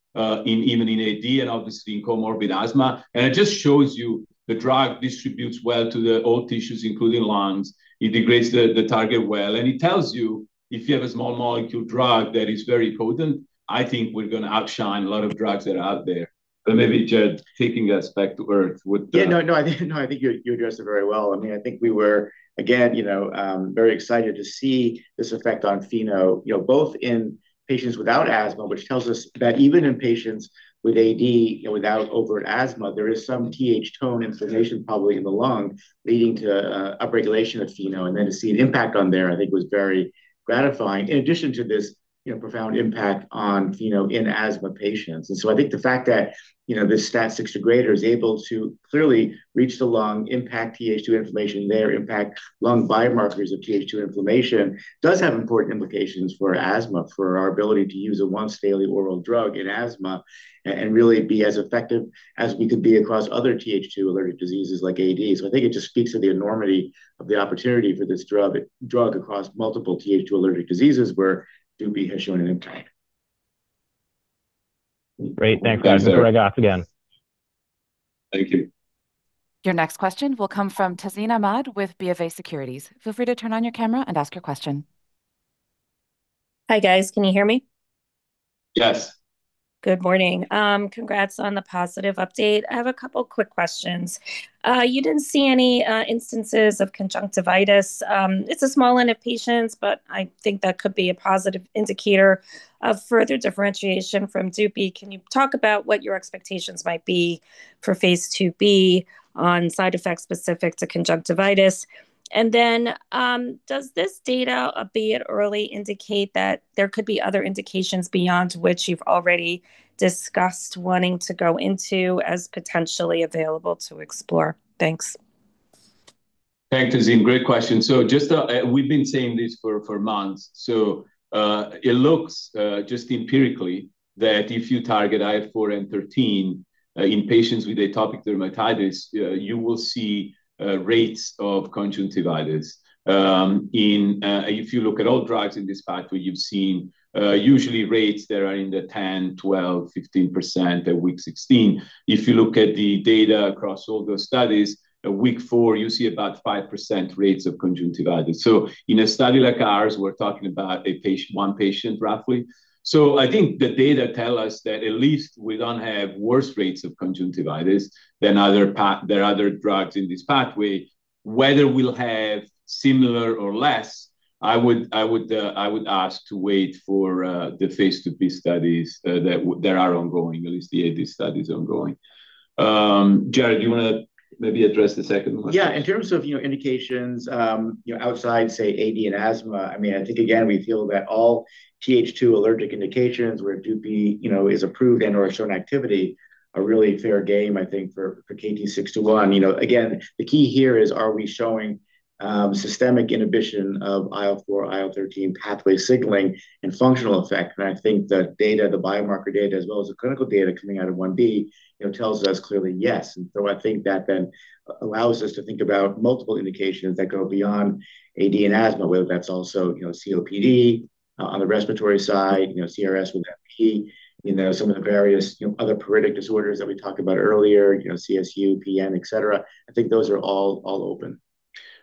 even in AD and obviously in comorbid asthma. And it just shows you the drug distributes well to all tissues, including lungs. It degrades the target well. And it tells you if you have a small molecule drug that is very potent, I think we're going to outshine a lot of drugs that are out there. But maybe, Jared, taking us back to earth. Yeah, no, no, I think you addressed it very well. I mean, I think we were, again, you know, very excited to see this effect on FeNO, you know, both in patients without asthma, which tells us that even in patients with AD, you know, without overt asthma, there is some Th2 tone inflammation probably in the lung leading to upregulation of FeNO. And then to see an impact on there, I think, was very gratifying in addition to this, you know, profound impact on FeNO in asthma patients. And so I think the fact that, you know, this STAT6 degrader is able to clearly reach the lung, impact Th2 inflammation there, impact lung biomarkers of Th2 inflammation does have important implications for asthma, for our ability to use a once-daily oral drug in asthma and really be as effective as we could be across other Th2 allergic diseases like AD. So I think it just speaks to the enormity of the opportunity for this drug across multiple Th2 allergic diseases where dupi has shown an impact. Great. Thanks, guys. We'll go back off again. Thank you. Your next question will come from Tazeen Ahmad with BofA Securities. Feel free to turn on your camera and ask your question. Hi guys, can you hear me? Yes. Good morning. Congrats on the positive update. I have a couple of quick questions. You didn't see any instances of conjunctivitis. It's a small line of patients, but I think that could be a positive indicator of further differentiation from dupi. Can you talk about what your expectations might be for phase II-B on side effects specific to conjunctivitis? And then does this data be an early indicator that there could be other indications beyond which you've already discussed wanting to go into as potentially available to explore? Thanks. Thanks, Tazeen. Great question. So just we've been saying this for months. So it looks just empirically that if you target IL-4 and IL-13 in patients with atopic dermatitis, you will see rates of conjunctivitis. If you look at all drugs in this pathway, you've seen usually rates that are in the 10%, 12%, 15% at week 16. If you look at the data across all those studies, at week four, you see about 5% rates of conjunctivitis. So in a study like ours, we're talking about a patient, one patient roughly. So I think the data tell us that at least we don't have worse rates of conjunctivitis than other drugs in this pathway. Whether we'll have similar or less, I would ask to wait for the phase II-B studies that are ongoing, at least the AD studies ongoing. Jared, do you want to maybe address the second question? Yeah, in terms of, you know, indications, you know, outside, say, AD and asthma, I mean, I think, again, we feel that all Th2 allergic indications where dupi, you know, is approved and/or shown activity are really fair game, I think, for KT-621. You know, again, the key here is, are we showing systemic inhibition of IL-4/IL-13 pathway signaling and functional effect? And I think the data, the biomarker data, as well as the clinical data coming out of phase I-B, you know, tells us clearly yes. And so I think that then allows us to think about multiple indications that go beyond AD and asthma, whether that's also, you know, COPD on the respiratory side, you know, CRS with NP, you know, some of the various, you know, other pruritic disorders that we talked about earlier, you know, CSU, PN, etc. I think those are all open.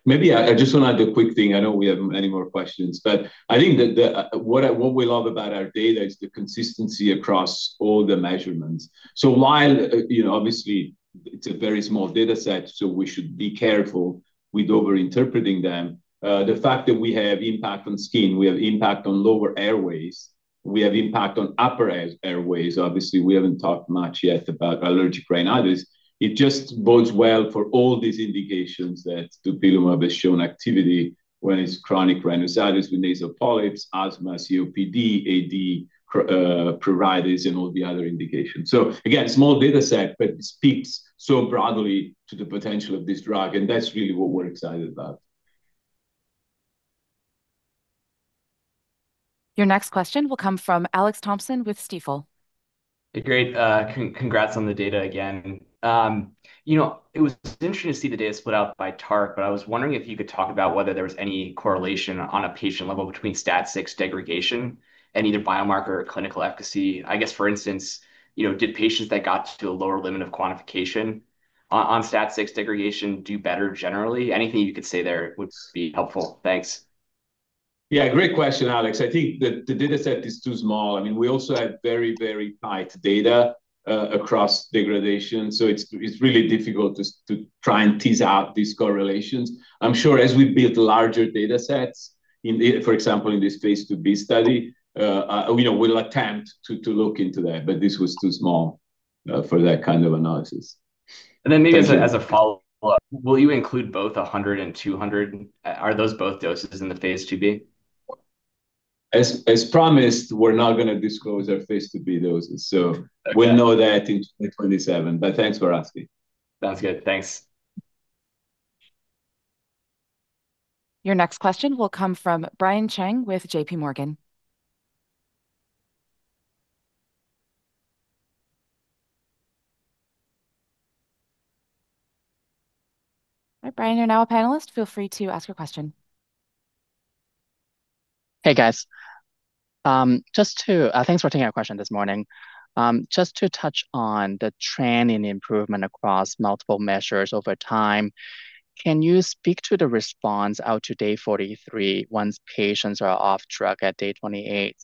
Maybe I just want to add a quick thing. I know we have many more questions, but I think that what we love about our data is the consistency across all the measurements. So while, you know, obviously it's a very small data set, so we should be careful with overinterpreting them, the fact that we have impact on skin, we have impact on lower airways, we have impact on upper airways, obviously we haven't talked much yet about allergic rhinitis. It just bodes well for all these indications that dupilumab has shown activity when it's chronic rhinosinusitis with nasal polyps, asthma, COPD, AD, pruritus, and all the other indications. So again, small data set, but it speaks so broadly to the potential of this drug, and that's really what we're excited about. Your next question will come from Alex Thompson with Stifel. Hey, great. Congrats on the data again. You know, it was interesting to see the data split out by TARC, but I was wondering if you could talk about whether there was any correlation on a patient level between STAT6 degradation and either biomarker or clinical efficacy. I guess, for instance, you know, did patients that got to a lower limit of quantification on STAT6 degradation do better generally? Anything you could say there would be helpful. Thanks. Yeah, great question, Alex. I think that the data set is too small. I mean, we also have very, very tight data across degradation. So it's really difficult to try and tease out these correlations. I'm sure as we build larger data sets, for example, in this phase II-B study, you know, we'll attempt to look into that, but this was too small for that kind of analysis. And then maybe as a follow-up, will you include both 100 mg and 200 mg? Are those both doses in the phase II-B? As promised, we're not going to disclose our phase II-B doses. So we'll know that in 2027, but thanks for asking. Sounds good. Thanks. Your next question will come from Brian Cheng with JPMorgan. All right, Brian, you're now a panelist. Feel free to ask your question. Hey, guys. Just to, thanks for taking our question this morning. Just to touch on the trend in improvement across multiple measures over time, can you speak to the response out to day 43 once patients are off drug at day 28?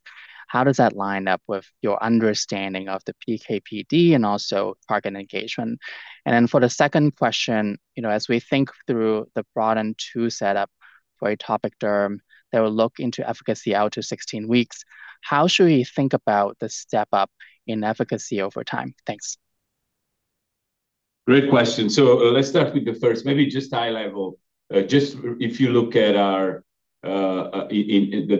How does that line up with your understanding of the PK/PD and also target engagement? And then for the second question, you know, as we think through the BroADen phase II setup for atopic derm that will look into efficacy out to 16 weeks, how should we think about the step up in efficacy over time? Thanks. Great question. So let's start with the first. Maybe just high level. Just if you look at our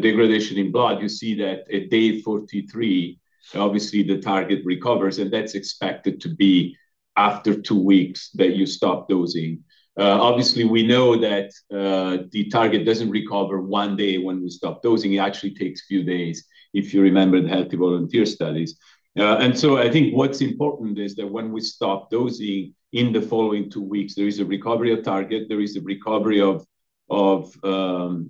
degradation in blood, you see that at day 43, obviously the target recovers, and that's expected to be after two weeks that you stop dosing. Obviously, we know that the target doesn't recover one day when we stop dosing. It actually takes a few days, if you remember the healthy volunteer studies. And so I think what's important is that when we stop dosing in the following two weeks, there is a recovery of target. There is a recovery of biomarkers.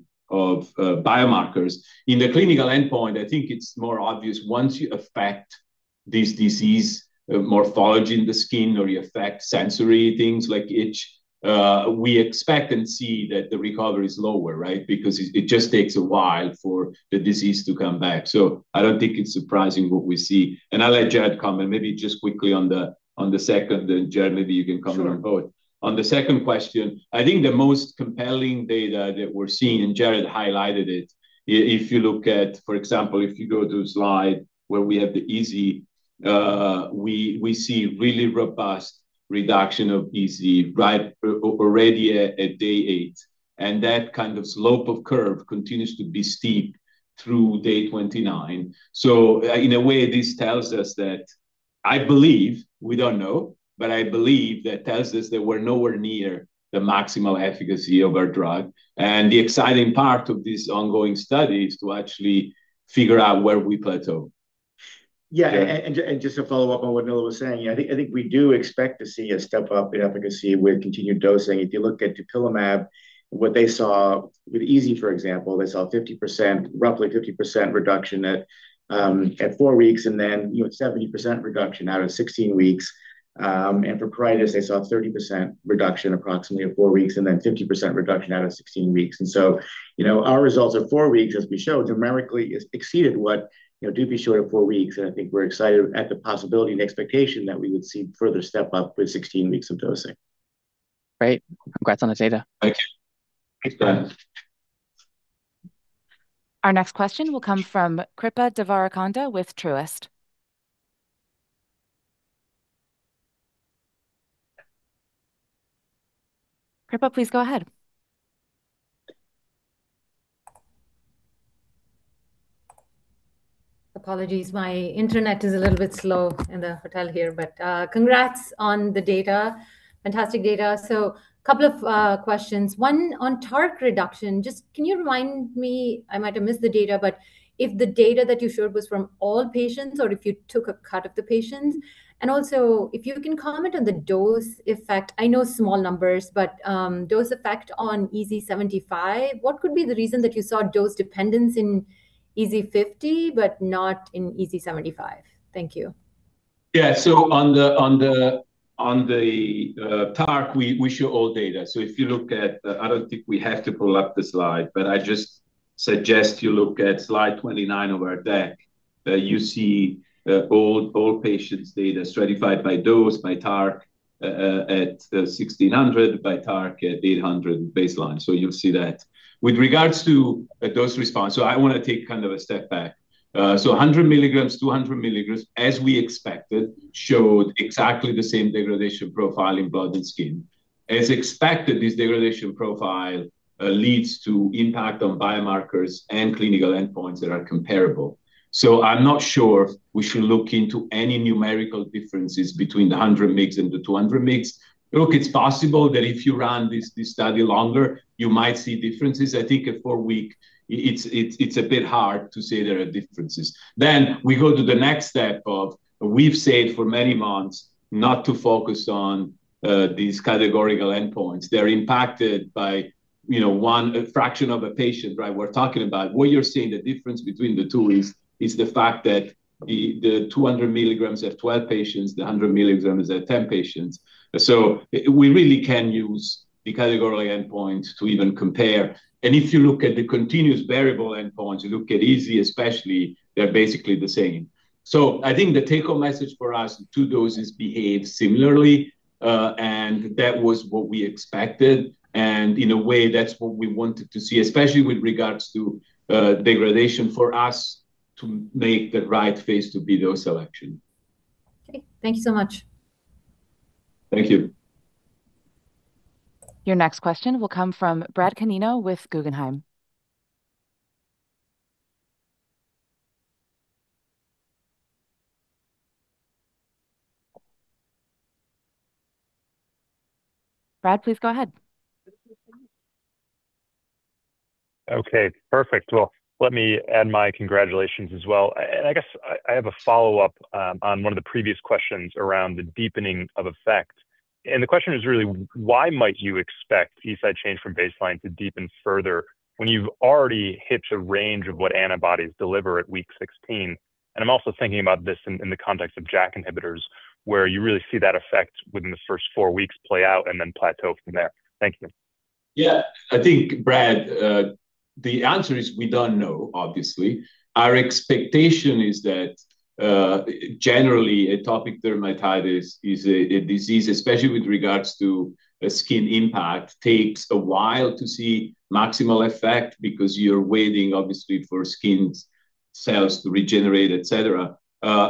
In the clinical endpoint, I think it's more obvious once you affect this disease morphology in the skin or you affect sensory things like itch, we expect and see that the recovery is lower, right? Because it just takes a while for the disease to come back. So I don't think it's surprising what we see. And I'll let Jared comment. Maybe just quickly on the second, and Jared, maybe you can comment on both. On the second question, I think the most compelling data that we're seeing, and Jared highlighted it, if you look at, for example, if you go to a slide where we have the EASI, we see really robust reduction of EASI right already at day eight. And that kind of slope of curve continues to be steep through day 29. In a way, this tells us that I believe, we don't know, but I believe that tells us that we're nowhere near the maximal efficacy of our drug. The exciting part of this ongoing study is to actually figure out where we plateau. Yeah, and just to follow-up on what Nello was saying, I think we do expect to see a step up in efficacy with continued dosing. If you look at dupilumab, what they saw with EASI, for example, they saw 50%, roughly 50% reduction at four weeks and then, you know, 70% reduction out of 16 weeks. And for pruritus, they saw approximately 30% reduction at four weeks and then 50% reduction out of 16 weeks. And so, you know, our results at four weeks, as we showed, numerically exceeded what, you know, dupi showed at four weeks. I think we're excited at the possibility and expectation that we would see further step up with 16 weeks of dosing. Great. Congrats on the data. Thank you. Our next question will come from Kripa Devarakonda with Truist. Kripa, please go ahead. Apologies, my Internet is a little bit slow in the hotel here, but congrats on the data. Fantastic data. A couple of questions. One on TARC reduction. Just can you remind me, I might have missed the data, but if the data that you showed was from all patients or if you took a cut of the patients? And also, if you can comment on the dose effect. I know small numbers, but dose effect on EASI-75, what could be the reason that you saw dose dependence in EASI-50 but not in EASI-75? Thank you. Yeah, so on the TARC, we show all data. So if you look at, I don't think we have to pull up the slide, but I just suggest you look at slide 29 of our deck. You see all patients' data stratified by dose, by TARC at 1600 pg/mL, by TARC at 800 pg/mL baseline. So you'll see that. With regards to dose response, so I want to take kind of a step back. So 100 mg, 200 mg, as we expected, showed exactly the same degradation profile in blood and skin. As expected, this degradation profile leads to impact on biomarkers and clinical endpoints that are comparable. So I'm not sure we should look into any numerical differences between the 100 mg and the 200 mg. Look, it's possible that if you run this study longer, you might see differences. I think at four weeks, it's a bit hard to say there are differences. Then we go to the next step of, we've said for many months not to focus on these categorical endpoints. They're impacted by, you know, one fraction of a patient, right? We're talking about what you're seeing, the difference between the two is the fact that the 200 mg at 12 patients, the 100 mg at 10 patients. So we really can use the categorical endpoints to even compare. And if you look at the continuous variable endpoints, you look at EASI, especially, they're basically the same. So I think the take-home message for us, two doses behave similarly, and that was what we expected. And in a way, that's what we wanted to see, especially with regards to degradation for us to make the right phase II-B dose selection. Okay, thank you so much. Thank you. Your next question will come from Brad Canino with Guggenheim. Brad, please go ahead. Okay, perfect. Well, let me add my congratulations as well. And I guess I have a follow-up on one of the previous questions around the deepening of effect. And the question is really, why might you expect EASI change from baseline to deepen further when you've already hit a range of what antibodies deliver at week 16? And I'm also thinking about this in the context of JAK inhibitors, where you really see that effect within the first four weeks play out and then plateau from there. Thank you. Yeah, I think, Brad, the answer is we don't know, obviously. Our expectation is that generally atopic dermatitis is a disease, especially with regards to skin impact, takes a while to see maximal effect because you're waiting, obviously, for skin cells to regenerate, etc.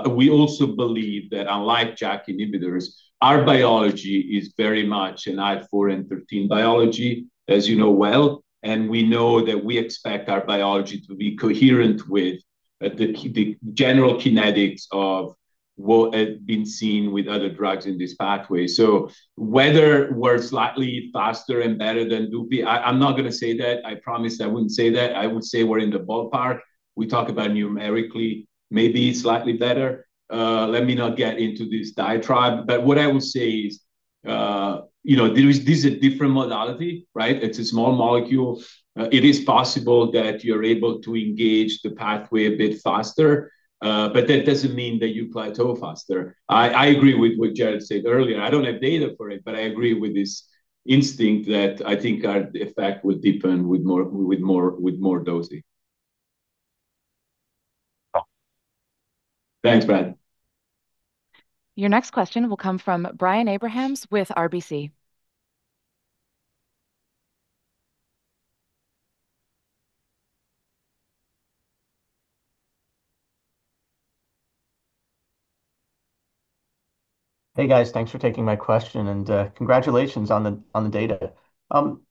We also believe that unlike JAK inhibitors, our biology is very much an IL-4 and IL-13 biology, as you know well. And we know that we expect our biology to be coherent with the general kinetics of what has been seen with other drugs in this pathway. So whether we're slightly faster and better than dupi, I'm not going to say that. I promise I wouldn't say that. I would say we're in the ballpark. We talk about numerically, maybe it's slightly better. Let me not get into this diatribe. But what I will say is, you know, this is a different modality, right? It's a small molecule. It is possible that you're able to engage the pathway a bit faster, but that doesn't mean that you plateau faster. I agree with what Jared said earlier. I don't have data for it, but I agree with this instinct that I think our effect would deepen with more dosing. Thanks, Brad. Your next question will come from Brian Abrahams with RBC. Hey, guys, thanks for taking my question and congratulations on the data.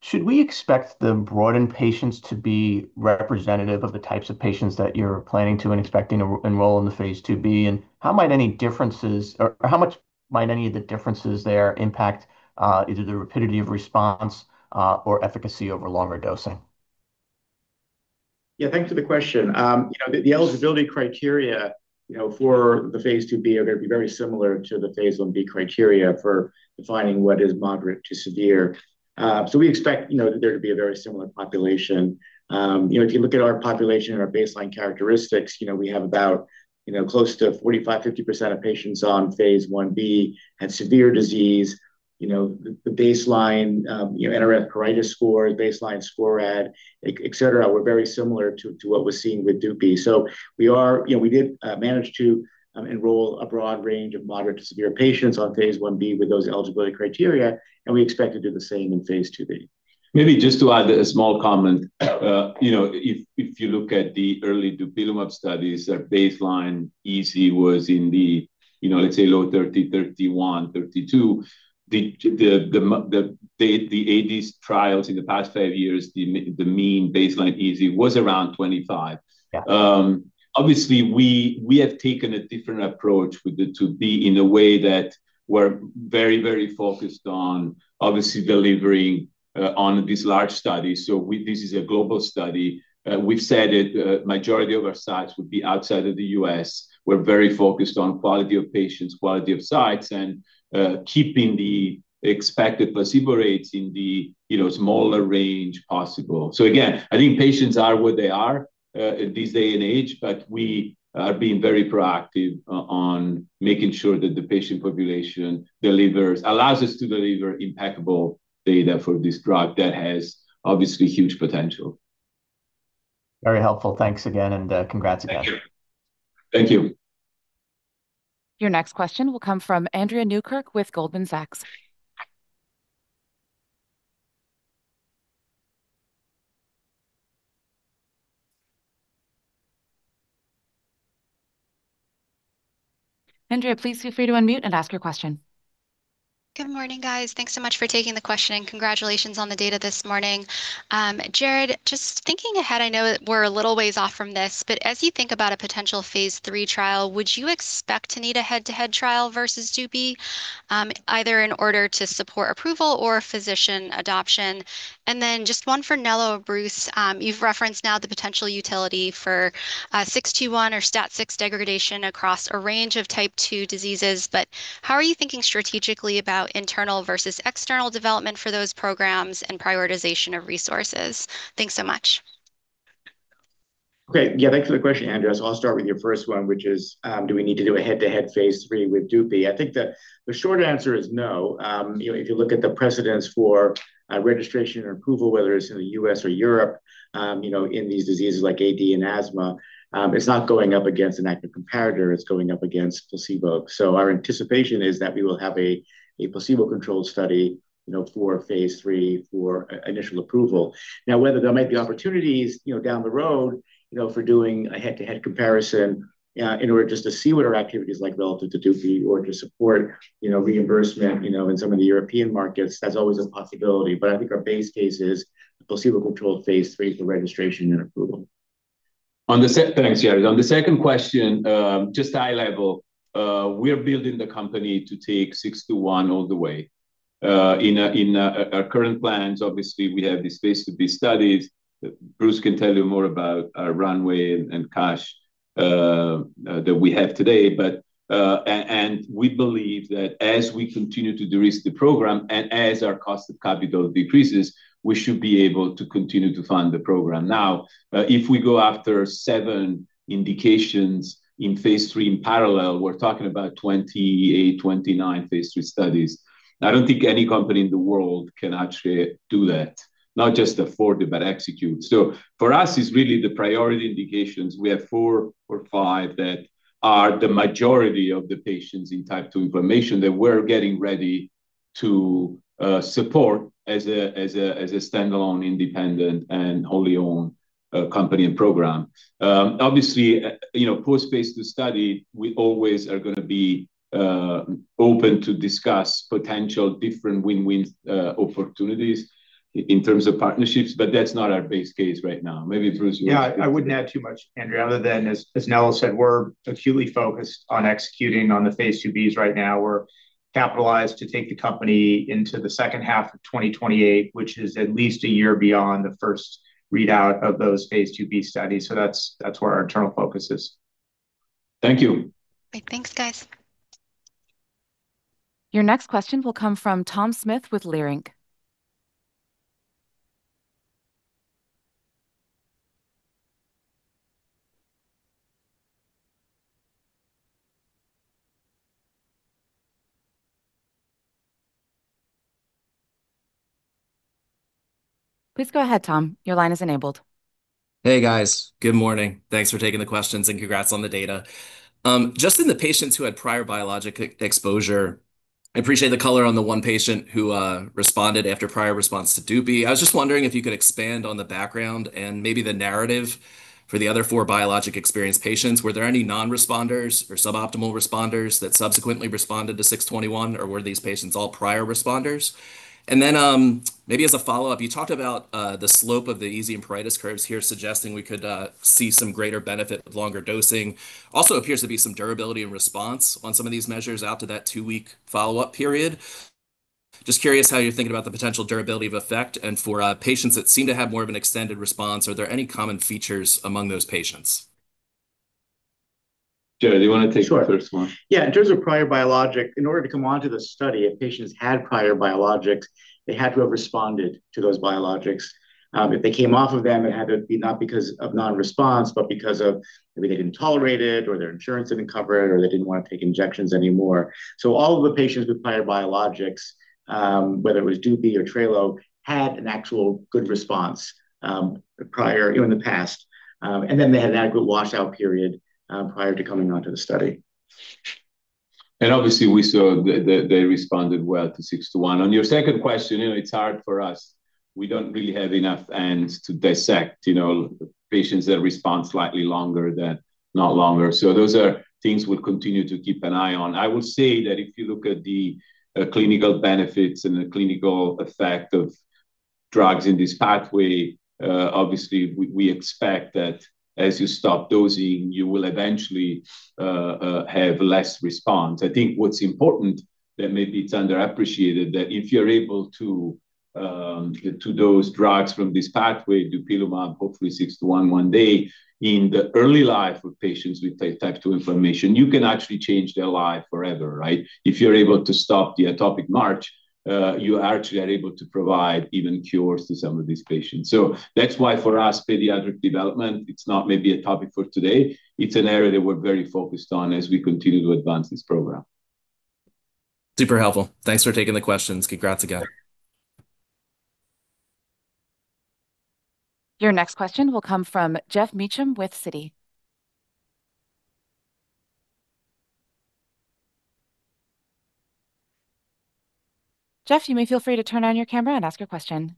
Should we expect the BroADen patients to be representative of the types of patients that you're planning to and expecting to enroll in the phase II-B? And how might any differences, or how much might any of the differences there impact either the rapidity of response or efficacy over longer dosing? Yeah, thanks for the question. You know, the eligibility criteria, you know, for the phase II-B are going to be very similar to the phase I-B criteria for defining what is moderate to severe. So we expect, you know, that there to be a very similar population. You know, if you look at our population and our baseline characteristics, you know, we have about, you know, close to 45%-50% of patients on phase I-B had severe disease. You know, the baseline, you know, NRS Pruritus Score, baseline SCORAD, etc., were very similar to what was seen with dupi. So we are, you know, we did manage to enroll a broad range of moderate to severe patients on phase I-B with those eligibility criteria, and we expect to do the same in phase II-B. Maybe just to add a small comment, you know, if you look at the early dupilumab studies, our baseline EASI was in the, you know, let's say low 30, 31, 32. The AD trials in the past five years, the mean baseline EASI was around 25. Obviously, we have taken a different approach with the phase II-B in a way that we're very, very focused on, obviously, delivering on these large studies. So this is a global study. We've said it. Majority of our sites would be outside of the U.S. We're very focused on quality of patients, quality of sites, and keeping the expected placebo rates in the, you know, smaller range possible. So again, I think patients are where they are at this day and age, but we are being very proactive on making sure that the patient population delivers, allows us to deliver impeccable data for this drug that has obviously huge potential. Very helpful. Thanks again and congrats again. Thank you. Your next question will come from Andrea Newkirk with Goldman Sachs. Andrea, please feel free to unmute and ask your question. Good morning, guys. Thanks so much for taking the question and congratulations on the data this morning. Jared, just thinking ahead, I know we're a little ways off from this, but as you think about a potential phase III trial, would you expect to need a head-to-head trial versus dupi, either in order to support approval or physician adoption? And then just one for Nello or Bruce, you've referenced now the potential utility for KT-621 or STAT6 degradation across a range of Type 2 diseases, but how are you thinking strategically about internal versus external development for those programs and prioritization of resources? Thanks so much. Okay, yeah, thanks for the question, Andrea. So I'll start with your first one, which is, do we need to do a head-to-head phase III with dupi? I think that the short answer is no. You know, if you look at the precedence for registration and approval, whether it's in the U.S. or Europe, you know, in these diseases like AD and asthma, it's not going up against an active comparator. It's going up against placebo. So our anticipation is that we will have a placebo-controlled study, you know, for phase III for initial approval. Now, whether there might be opportunities, you know, down the road, you know, for doing a head-to-head comparison in order just to see what our activity is like relative to dupi or to support, you know, reimbursement, you know, in some of the European markets, that's always a possibility. But I think our base case is a placebo-controlled phase three for registration and approval. [audio distortion] On the second question, just high level, we are building the company to take KT-621 all the way. In our current plans, obviously, we have these phase II-B studies. Bruce can tell you more about our runway and cash that we have today. We believe that as we continue to de-risk the program and as our cost of capital decreases, we should be able to continue to fund the program. Now, if we go after seven indications in phase III in parallel, we're talking about 28, 29 phase III studies. I don't think any company in the world can actually do that, not just afford it, but execute. So for us, it's really the priority indications. We have four or five that are the majority of the patients in Type 2 inflammation that we're getting ready to support as a standalone, independent, and wholly owned company and program. Obviously, you know, post-phase II study, we always are going to be open to discuss potential different win-win opportunities in terms of partnerships, but that's not our base case right now. Maybe Bruce will. Yeah, I wouldn't add too much, Andrea, other than as Nello said, we're acutely focused on executing on the phase II-Bs right now. We're capitalized to take the company into the second half of 2028, which is at least a year beyond the first readout of those phase II-B studies. So that's where our internal focus is. Thanks, guys. Your next question will come from Tom Smith with Leerink. Please go ahead, Tom. Your line is enabled. Hey, guys. Good morning. Thanks for taking the questions and congrats on the data. Just in the patients who had prior biologic exposure, I appreciate the color on the one patient who responded after prior response to dupi. I was just wondering if you could expand on the background and maybe the narrative for the other four biologic-experienced patients. Were there any non-responders or suboptimal responders that subsequently responded to KT-621, or were these patients all prior responders? And then maybe as a follow-up, you talked about the slope of the EASI and pruritus curves here suggesting we could see some greater benefit of longer dosing. Also appears to be some durability and response on some of these measures out to that two-week follow-up period. Just curious how you're thinking about the potential durability of effect. And for patients that seem to have more of an extended response, are there any common features among those patients? Jared, do you want to take the first one? Sure. Yeah, in terms of prior biologic, in order to come on to the study, if patients had prior biologics, they had to have responded to those biologics. If they came off of them, it had to be not because of non-response, but because of maybe they didn't tolerate it or their insurance didn't cover it or they didn't want to take injections anymore. So all of the patients with prior biologics, whether it was dupi or tral, had an actual good response prior, you know, in the past, and then they had an adequate washout period prior to coming on to the study. And obviously, we saw that they responded well to KT-621. On your second question, you know, it's hard for us. We don't really have enough data to dissect, you know, patients that respond slightly longer than not longer. So those are things we'll continue to keep an eye on. I will say that if you look at the clinical benefits and the clinical effect of drugs in this pathway, obviously, we expect that as you stop dosing, you will eventually have less response. I think what's important that maybe it's underappreciated that if you're able to dose drugs from this pathway, dupilumab, hopefully 621 one day in the early life of patients with Type 2 inflammation, you can actually change their life forever, right? If you're able to stop the atopic march, you actually are able to provide even cures to some of these patients. So that's why for us, pediatric development, it's not maybe a topic for today. It's an area that we're very focused on as we continue to advance this program. Super helpful. Thanks for taking the questions. Congrats again. Your next question will come from Geoff Meacham with Citi. Geoff, you may feel free to turn on your camera and ask your question.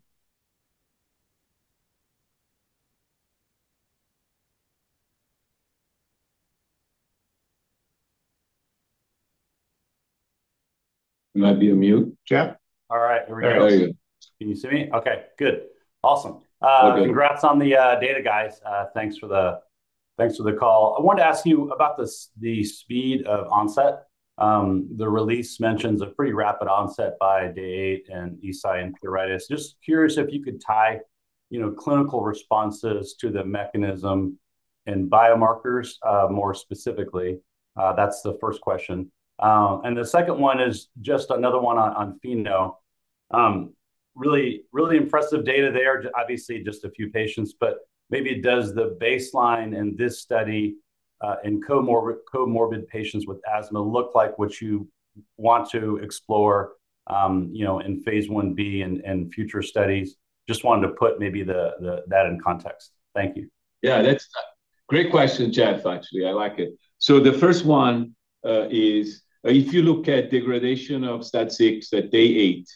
You might be on mute, Geoff. All right. Here we go. Can you see me? Okay. Good. Awesome. Congrats on the data, guys. Thanks for the call. I wanted to ask you about the speed of onset. The release mentions a pretty rapid onset by day eight and EASI and pruritus. Just curious if you could tie, you know, clinical responses to the mechanism and biomarkers more specifically. That's the first question. And the second one is just another one on FeNO. Really, really impressive data there. Obviously, just a few patients, but maybe does the baseline in this study in comorbid patients with asthma look like what you want to explore, you know, in phase I-B and future studies? Just wanted to put maybe that in context. Thank you. Yeah, that's a great question, Geoff, actually. I like it. So the first one is, if you look at degradation of STAT6 at day eight,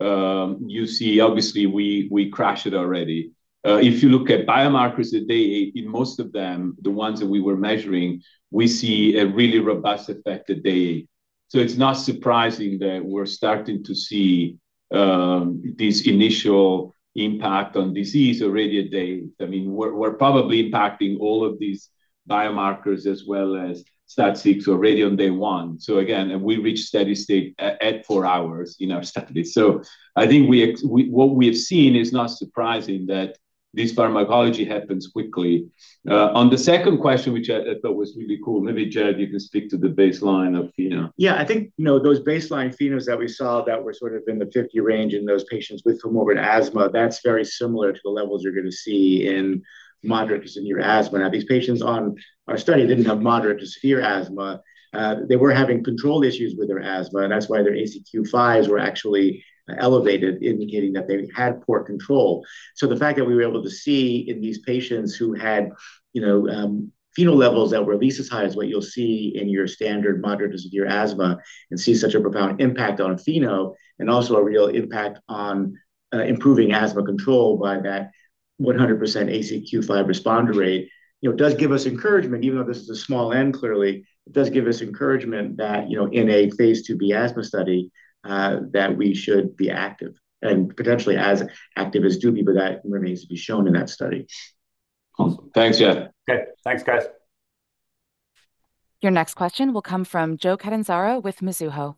you see, obviously, we crashed it already. If you look at biomarkers at day eight, in most of them, the ones that we were measuring, we see a really robust effect at day eight. So it's not surprising that we're starting to see this initial impact on disease already at day eight. I mean, we're probably impacting all of these biomarkers as well as STAT6 already on day one. So again, we reached steady state at four hours in our study. So I think what we have seen is not surprising that this pharmacology happens quickly. On the second question, which I thought was really cool, maybe Jared, you can speak to the baseline of FeNO. Yeah, I think, you know, those baseline FeNOs that we saw that were sort of in the 50 range in those patients with comorbid asthma, that's very similar to the levels you're going to see in moderate to severe asthma. Now, these patients on our study didn't have moderate to severe asthma. They were having control issues with their asthma, and that's why their ACQ-5s were actually elevated, indicating that they had poor control. So the fact that we were able to see in these patients who had, you know, FeNO levels that were at least as high as what you'll see in your standard moderate to severe asthma and see such a profound impact on FeNO and also a real impact on improving asthma control by that 100% ACQ-5 responder rate, you know, does give us encouragement. Even though this is a small N, clearly, it does give us encouragement that, you know, in a phase II-B asthma study, that we should be active and potentially as active as dupi, but that remains to be shown in that study. Awesome. Thanks, Geoff. Okay. Thanks, guys. Your next question will come from Joe Catanzaro with Mizuho.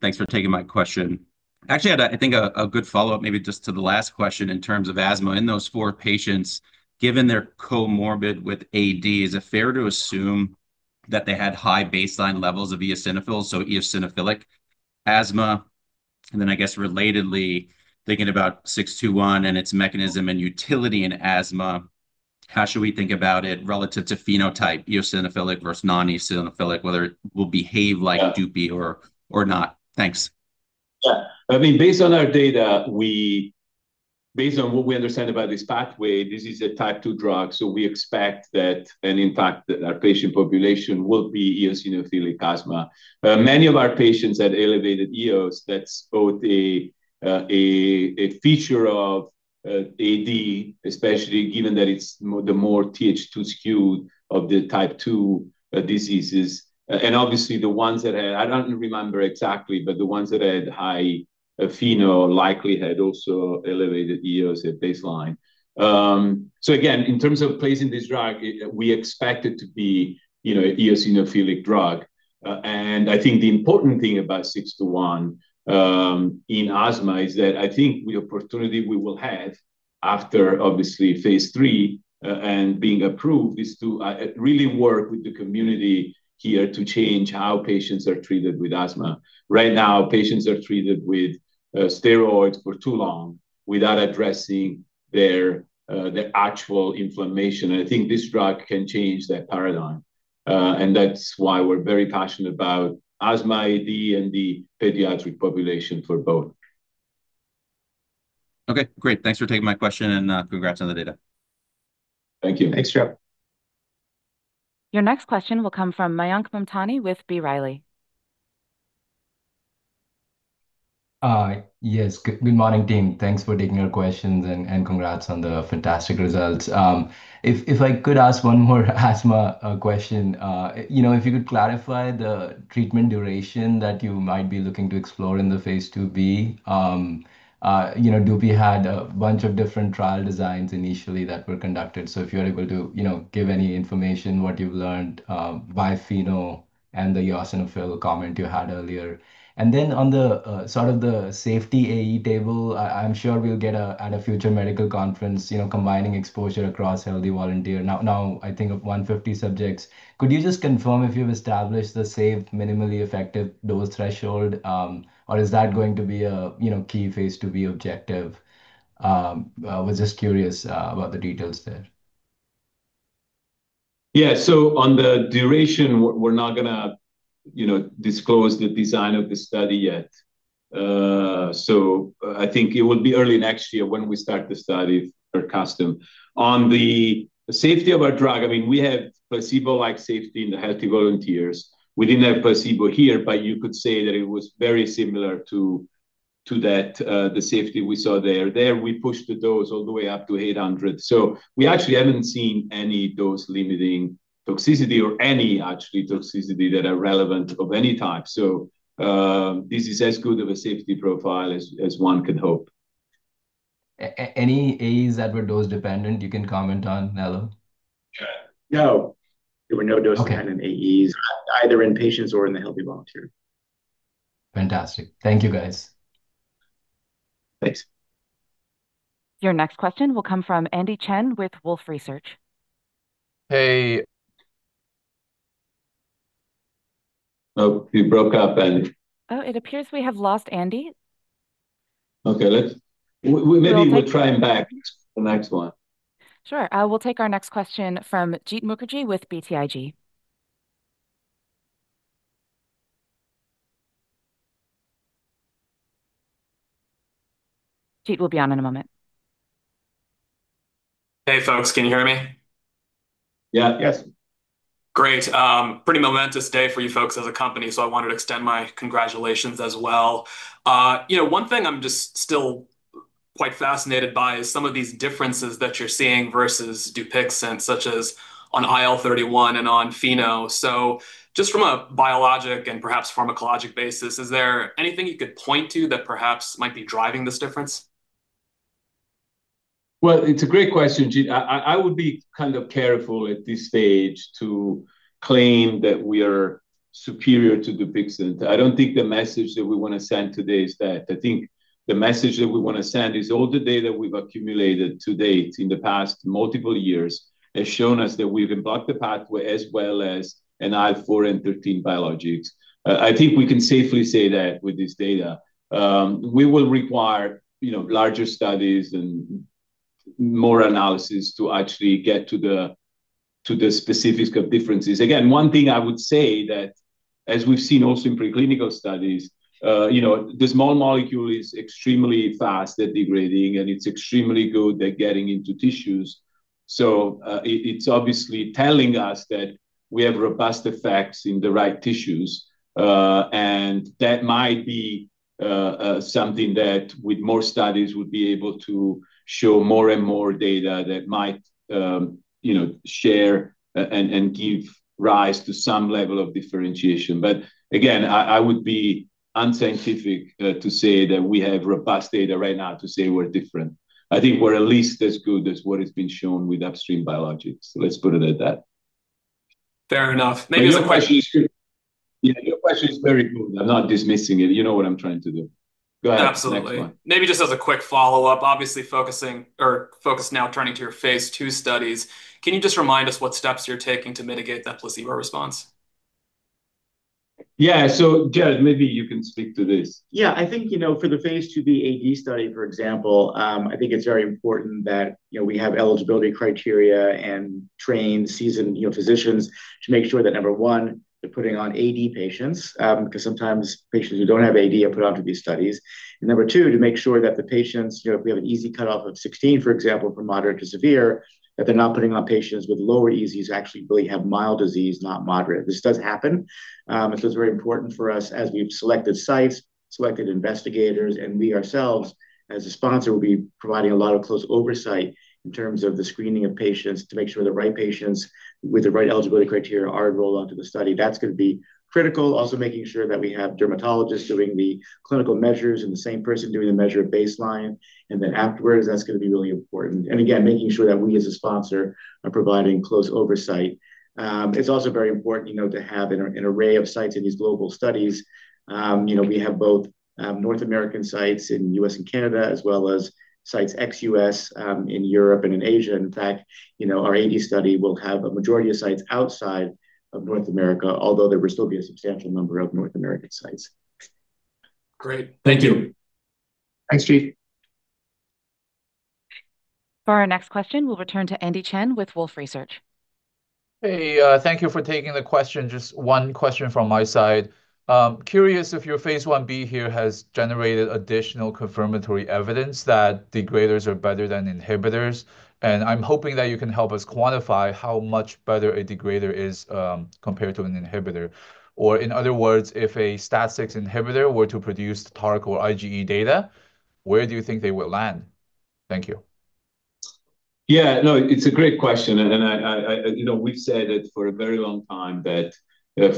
Thanks for taking my question. Actually, I think a good follow-up, maybe just to the last question in terms of asthma in those four patients, given they're comorbid with AD, is it fair to assume that they had high baseline levels of eosinophils, so eosinophilic asthma? And then, I guess relatedly, thinking about KT-621 and its mechanism and utility in asthma, how should we think about it relative to phenotype, eosinophilic versus non-eosinophilic, whether it will behave like dupi or not? Thanks. Yeah. I mean, based on our data, based on what we understand about this pathway, this is a Type 2 drug. So we expect that, and in fact, that our patient population will be eosinophilic asthma. Many of our patients had elevated eos. That's both a feature of AD, especially given that it's the more Th2 skewed of the Type 2 diseases. And obviously, the ones that had, I don't remember exactly, but the ones that had high FeNO likely had also elevated eosinophils at baseline. So again, in terms of placing this drug, we expect it to be, you know, an eosinophilic drug. And I think the important thing about KT-621 in asthma is that I think the opportunity we will have after, obviously, phase III and being approved is to really work with the community here to change how patients are treated with asthma. Right now, patients are treated with steroids for too long without addressing their actual inflammation. And I think this drug can change that paradigm. And that's why we're very passionate about asthma, AD, and the pediatric population for both. Okay. Great. Thanks for taking my question and congrats on the data. Thank you. Thanks, Geoff. Your next question will come from Mayank Mamtani with B. Riley. Yes. Good morning, team. Thanks for taking our questions and congrats on the fantastic results. If I could ask one more asthma question, you know, if you could clarify the treatment duration that you might be looking to explore in the phase II-B, you know, dupi had a bunch of different trial designs initially that were conducted. So if you're able to, you know, give any information, what you've learned by FeNO and the eosinophil comment you had earlier. And then on the sort of the safety AE table, I'm sure we'll get at a future medical conference, you know, combining exposure across healthy volunteers. Now I think of 150 subjects. Could you just confirm if you've established the safe, minimally effective dose threshold, or is that going to be a, you know, key phase II-B objective? I was just curious about the details there. Yeah. So on the duration, we're not going to, you know, disclose the design of the study yet. So I think it will be early next year when we start the study for CSU. On the safety of our drug, I mean, we have placebo-like safety in the healthy volunteers. We didn't have placebo here, but you could say that it was very similar to that, the safety we saw there. There, we pushed the dose all the way up to 800 pg/mL. So we actually haven't seen any dose-limiting toxicity or any actual toxicity that are relevant of any type. So this is as good of a safety profile as one can hope. Any AEs that were dose-dependent you can comment on, Nello? No. There were no dose-dependent AEs either in patients or in the healthy volunteer. Fantastic. Thank you, guys. Thanks. Your next question will come from Andy Chen with Wolfe Research. Hey. Oh, he broke up and. Oh, it appears we have lost Andy. Okay. Maybe we'll try him back for the next one. Sure. We'll take our next question from Jeet Mukherjee with BTIG. Jeet will be on in a moment. Hey, folks, can you hear me? Yeah. Great. Pretty momentous day for you folks as a company. So I wanted to extend my congratulations as well. You know, one thing I'm just still quite fascinated by is some of these differences that you're seeing versus DUPIXENT, such as on IL-31 and on FeNO. So just from a biologic and perhaps pharmacologic basis, is there anything you could point to that perhaps might be driving this difference? Well, it's a great question, Jeet. I would be kind of careful at this stage to claim that we are superior to DUPIXENT. I don't think the message that we want to send today is that. I think the message that we want to send is all the data we've accumulated to date in the past multiple years has shown us that we've blocked the pathway as well as an IL-4 and IL-13 biologics. I think we can safely say that with this data. We will require, you know, larger studies and more analysis to actually get to the specifics of differences. Again, one thing I would say that as we've seen also in preclinical studies, you know, the small molecule is extremely fast at degrading and it's extremely good at getting into tissues. So it's obviously telling us that we have robust effects in the right tissues. That might be something that, with more studies, would be able to show more and more data that might, you know, share and give rise to some level of differentiation. But again, I would be unscientific to say that we have robust data right now to say we're different. I think we're at least as good as what has been shown with upstream biologics. Let's put it at that. Fair enough. Yeah, your question is very good. I'm not dismissing it. You know what I'm trying to do. Go ahead. Absolutely. Maybe just as a quick follow-up, obviously focusing now turning to your phase II studies, can you just remind us what steps you're taking to mitigate that placebo response? Yeah. So Jared, maybe you can speak to this. Yeah. I think, you know, for the phase II-B AD study, for example, I think it's very important that, you know, we have eligibility criteria and trained seasoned physicians to make sure that number one, they're putting on AD patients because sometimes patients who don't have AD are put onto these studies. And number two, to make sure that the patients, you know, if we have an EASI cutoff of 16, for example, for moderate to severe, that they're not putting on patients with lower EASIs who actually really have mild disease, not moderate. This does happen. This is very important for us as we've selected sites, selected investigators, and we ourselves as a sponsor will be providing a lot of close oversight in terms of the screening of patients to make sure the right patients with the right eligibility criteria are enrolled onto the study. That's going to be critical. Also making sure that we have dermatologists doing the clinical measures and the same person doing the measure of baseline. And then afterwards, that's going to be really important. And again, making sure that we as a sponsor are providing close oversight. It's also very important, you know, to have an array of sites in these global studies. You know, we have both North American sites in the U.S. and Canada, as well as sites ex-U.S. in Europe and in Asia. In fact, you know, our AD study will have a majority of sites outside of North America, although there will still be a substantial number of North American sites. Great. Thank you. Thanks, Jeet. For our next question, we'll return to Andy Chen with Wolfe Research. Hey, thank you for taking the question. Just one question from my side. I'm curious if your phase I-B here has generated additional confirmatory evidence that degraders are better than inhibitors. And I'm hoping that you can help us quantify how much better a degrader is compared to an inhibitor. Or in other words, if a STAT6 inhibitor were to produce the TARC or IgE data, where do you think they would land? Thank you. Yeah. No, it's a great question. And I, you know, we've said it for a very long time that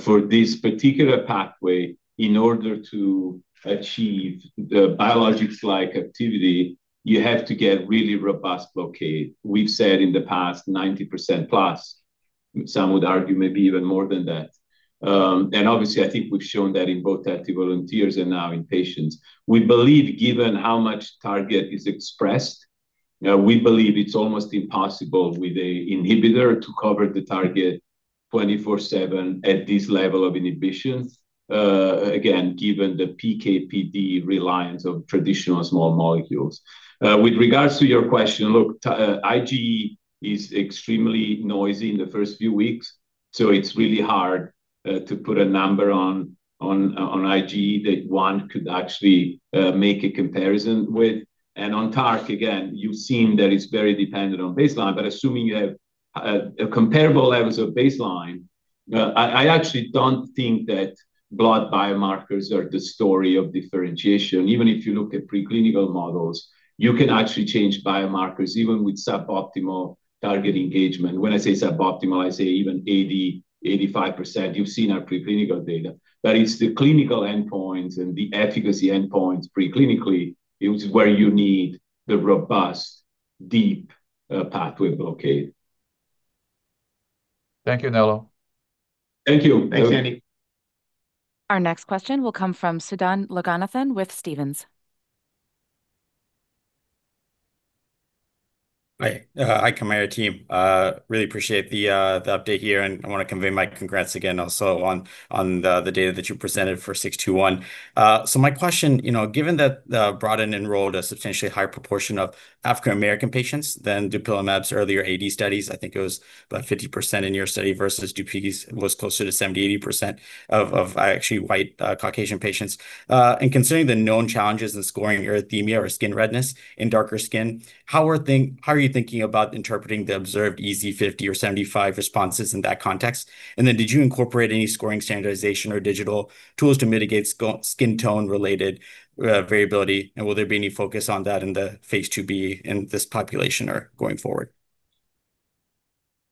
for this particular pathway, in order to achieve the biologics-like activity, you have to get really robust blockade. We've said in the past 90%+, some would argue maybe even more than that. And obviously, I think we've shown that in both healthy volunteers and now in patients. We believe given how much target is expressed, we believe it's almost impossible with an inhibitor to cover the target 24/7 at this level of inhibition. Again, given the PK/PD reliance of traditional small molecules. With regards to your question, look, IgE is extremely noisy in the first few weeks. So it's really hard to put a number on IgE that one could actually make a comparison with, and on TARC, again, you've seen that it's very dependent on baseline. But assuming you have comparable levels of baseline, I actually don't think that blood biomarkers are the story of differentiation. Even if you look at preclinical models, you can actually change biomarkers even with suboptimal target engagement. When I say suboptimal, I say even 80%-85%. You've seen our preclinical data. But it's the clinical endpoints and the efficacy endpoints preclinically, which is where you need the robust, deep pathway blockade. Thank you, Nello. Thanks, Andy. Our next question will come from Sudan Loganathan with Stephens. Hi. Hi, Kymera team. Really appreciate the update here. And I want to convey my congrats again also on the data that you presented for KT-621. So my question, you know, given that BroADen enrolled a substantially higher proportion of African-American patients than dupilumab's earlier AD studies, I think it was about 50% in your study versus dupi's was closer to 70%-80% of actually white Caucasian patients. And considering the known challenges in scoring erythema or skin redness in darker skin, how are you thinking about interpreting the observed EASI-50 or 75 responses in that context? And then, did you incorporate any scoring standardization or digital tools to mitigate skin tone-related variability? And will there be any focus on that in the phase II-B in this population or going forward?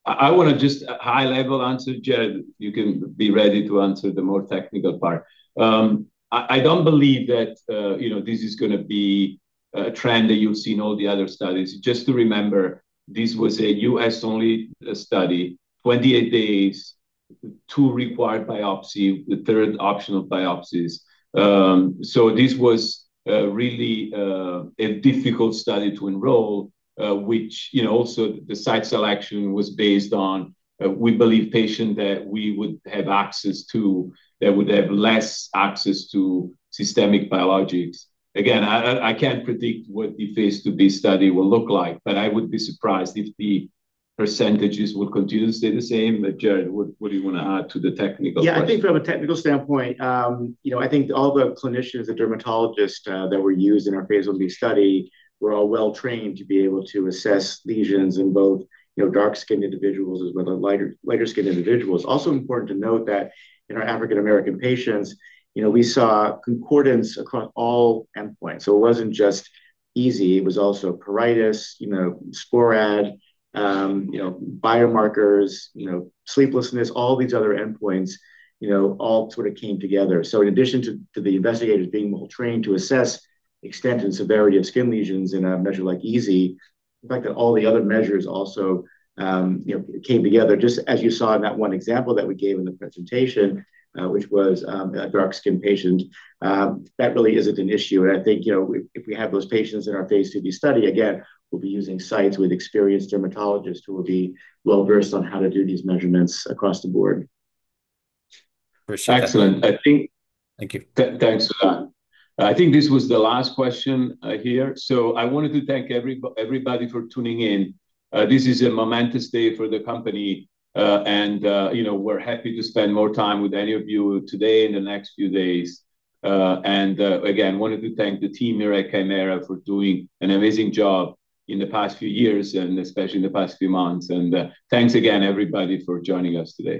I want to just high-level answer, Jared. You can be ready to answer the more technical part. I don't believe that, you know, this is going to be a trend that you'll see in all the other studies. Just to remember, this was a U.S.-only study, 28 days, two required biopsies, the third optional biopsies. So this was really a difficult study to enroll, which, you know, also the site selection was based on, we believe, patients that we would have access to, that would have less access to systemic biologics. Again, I can't predict what the phase II-B study will look like, but I would be surprised if the percentages would continue to stay the same. But Jared, what do you want to add to the technical question? Yeah, I think from a technical standpoint, you know, I think all the clinicians and dermatologists that were used in our phase I-B study were all well-trained to be able to assess lesions in both, you know, dark-skinned individuals as well as lighter-skinned individuals. Also important to note that in our African-American patients, you know, we saw concordance across all endpoints. So it wasn't just EASI, it was also pruritus, you know, SCORAD, you know, biomarkers, you know, sleeplessness, all these other endpoints, you know, all sort of came together. So in addition to the investigators being well-trained to assess extent and severity of skin lesions in a measure like EASI, the fact that all the other measures also, you know, came together, just as you saw in that one example that we gave in the presentation, which was a dark-skinned patient, that really isn't an issue. And I think, you know, if we have those patients in our phase II-B study, again, we'll be using sites with experienced dermatologists who will be well-versed on how to do these measurements across the board. Thank you. Thanks for that. I think this was the last question here. So I wanted to thank everybody for tuning in. This is a momentous day for the company. And, you know, we're happy to spend more time with any of you today and the next few days. And again, I wanted to thank the team here at Kymera for doing an amazing job in the past few years and especially in the past few months. And thanks again, everybody, for joining us today.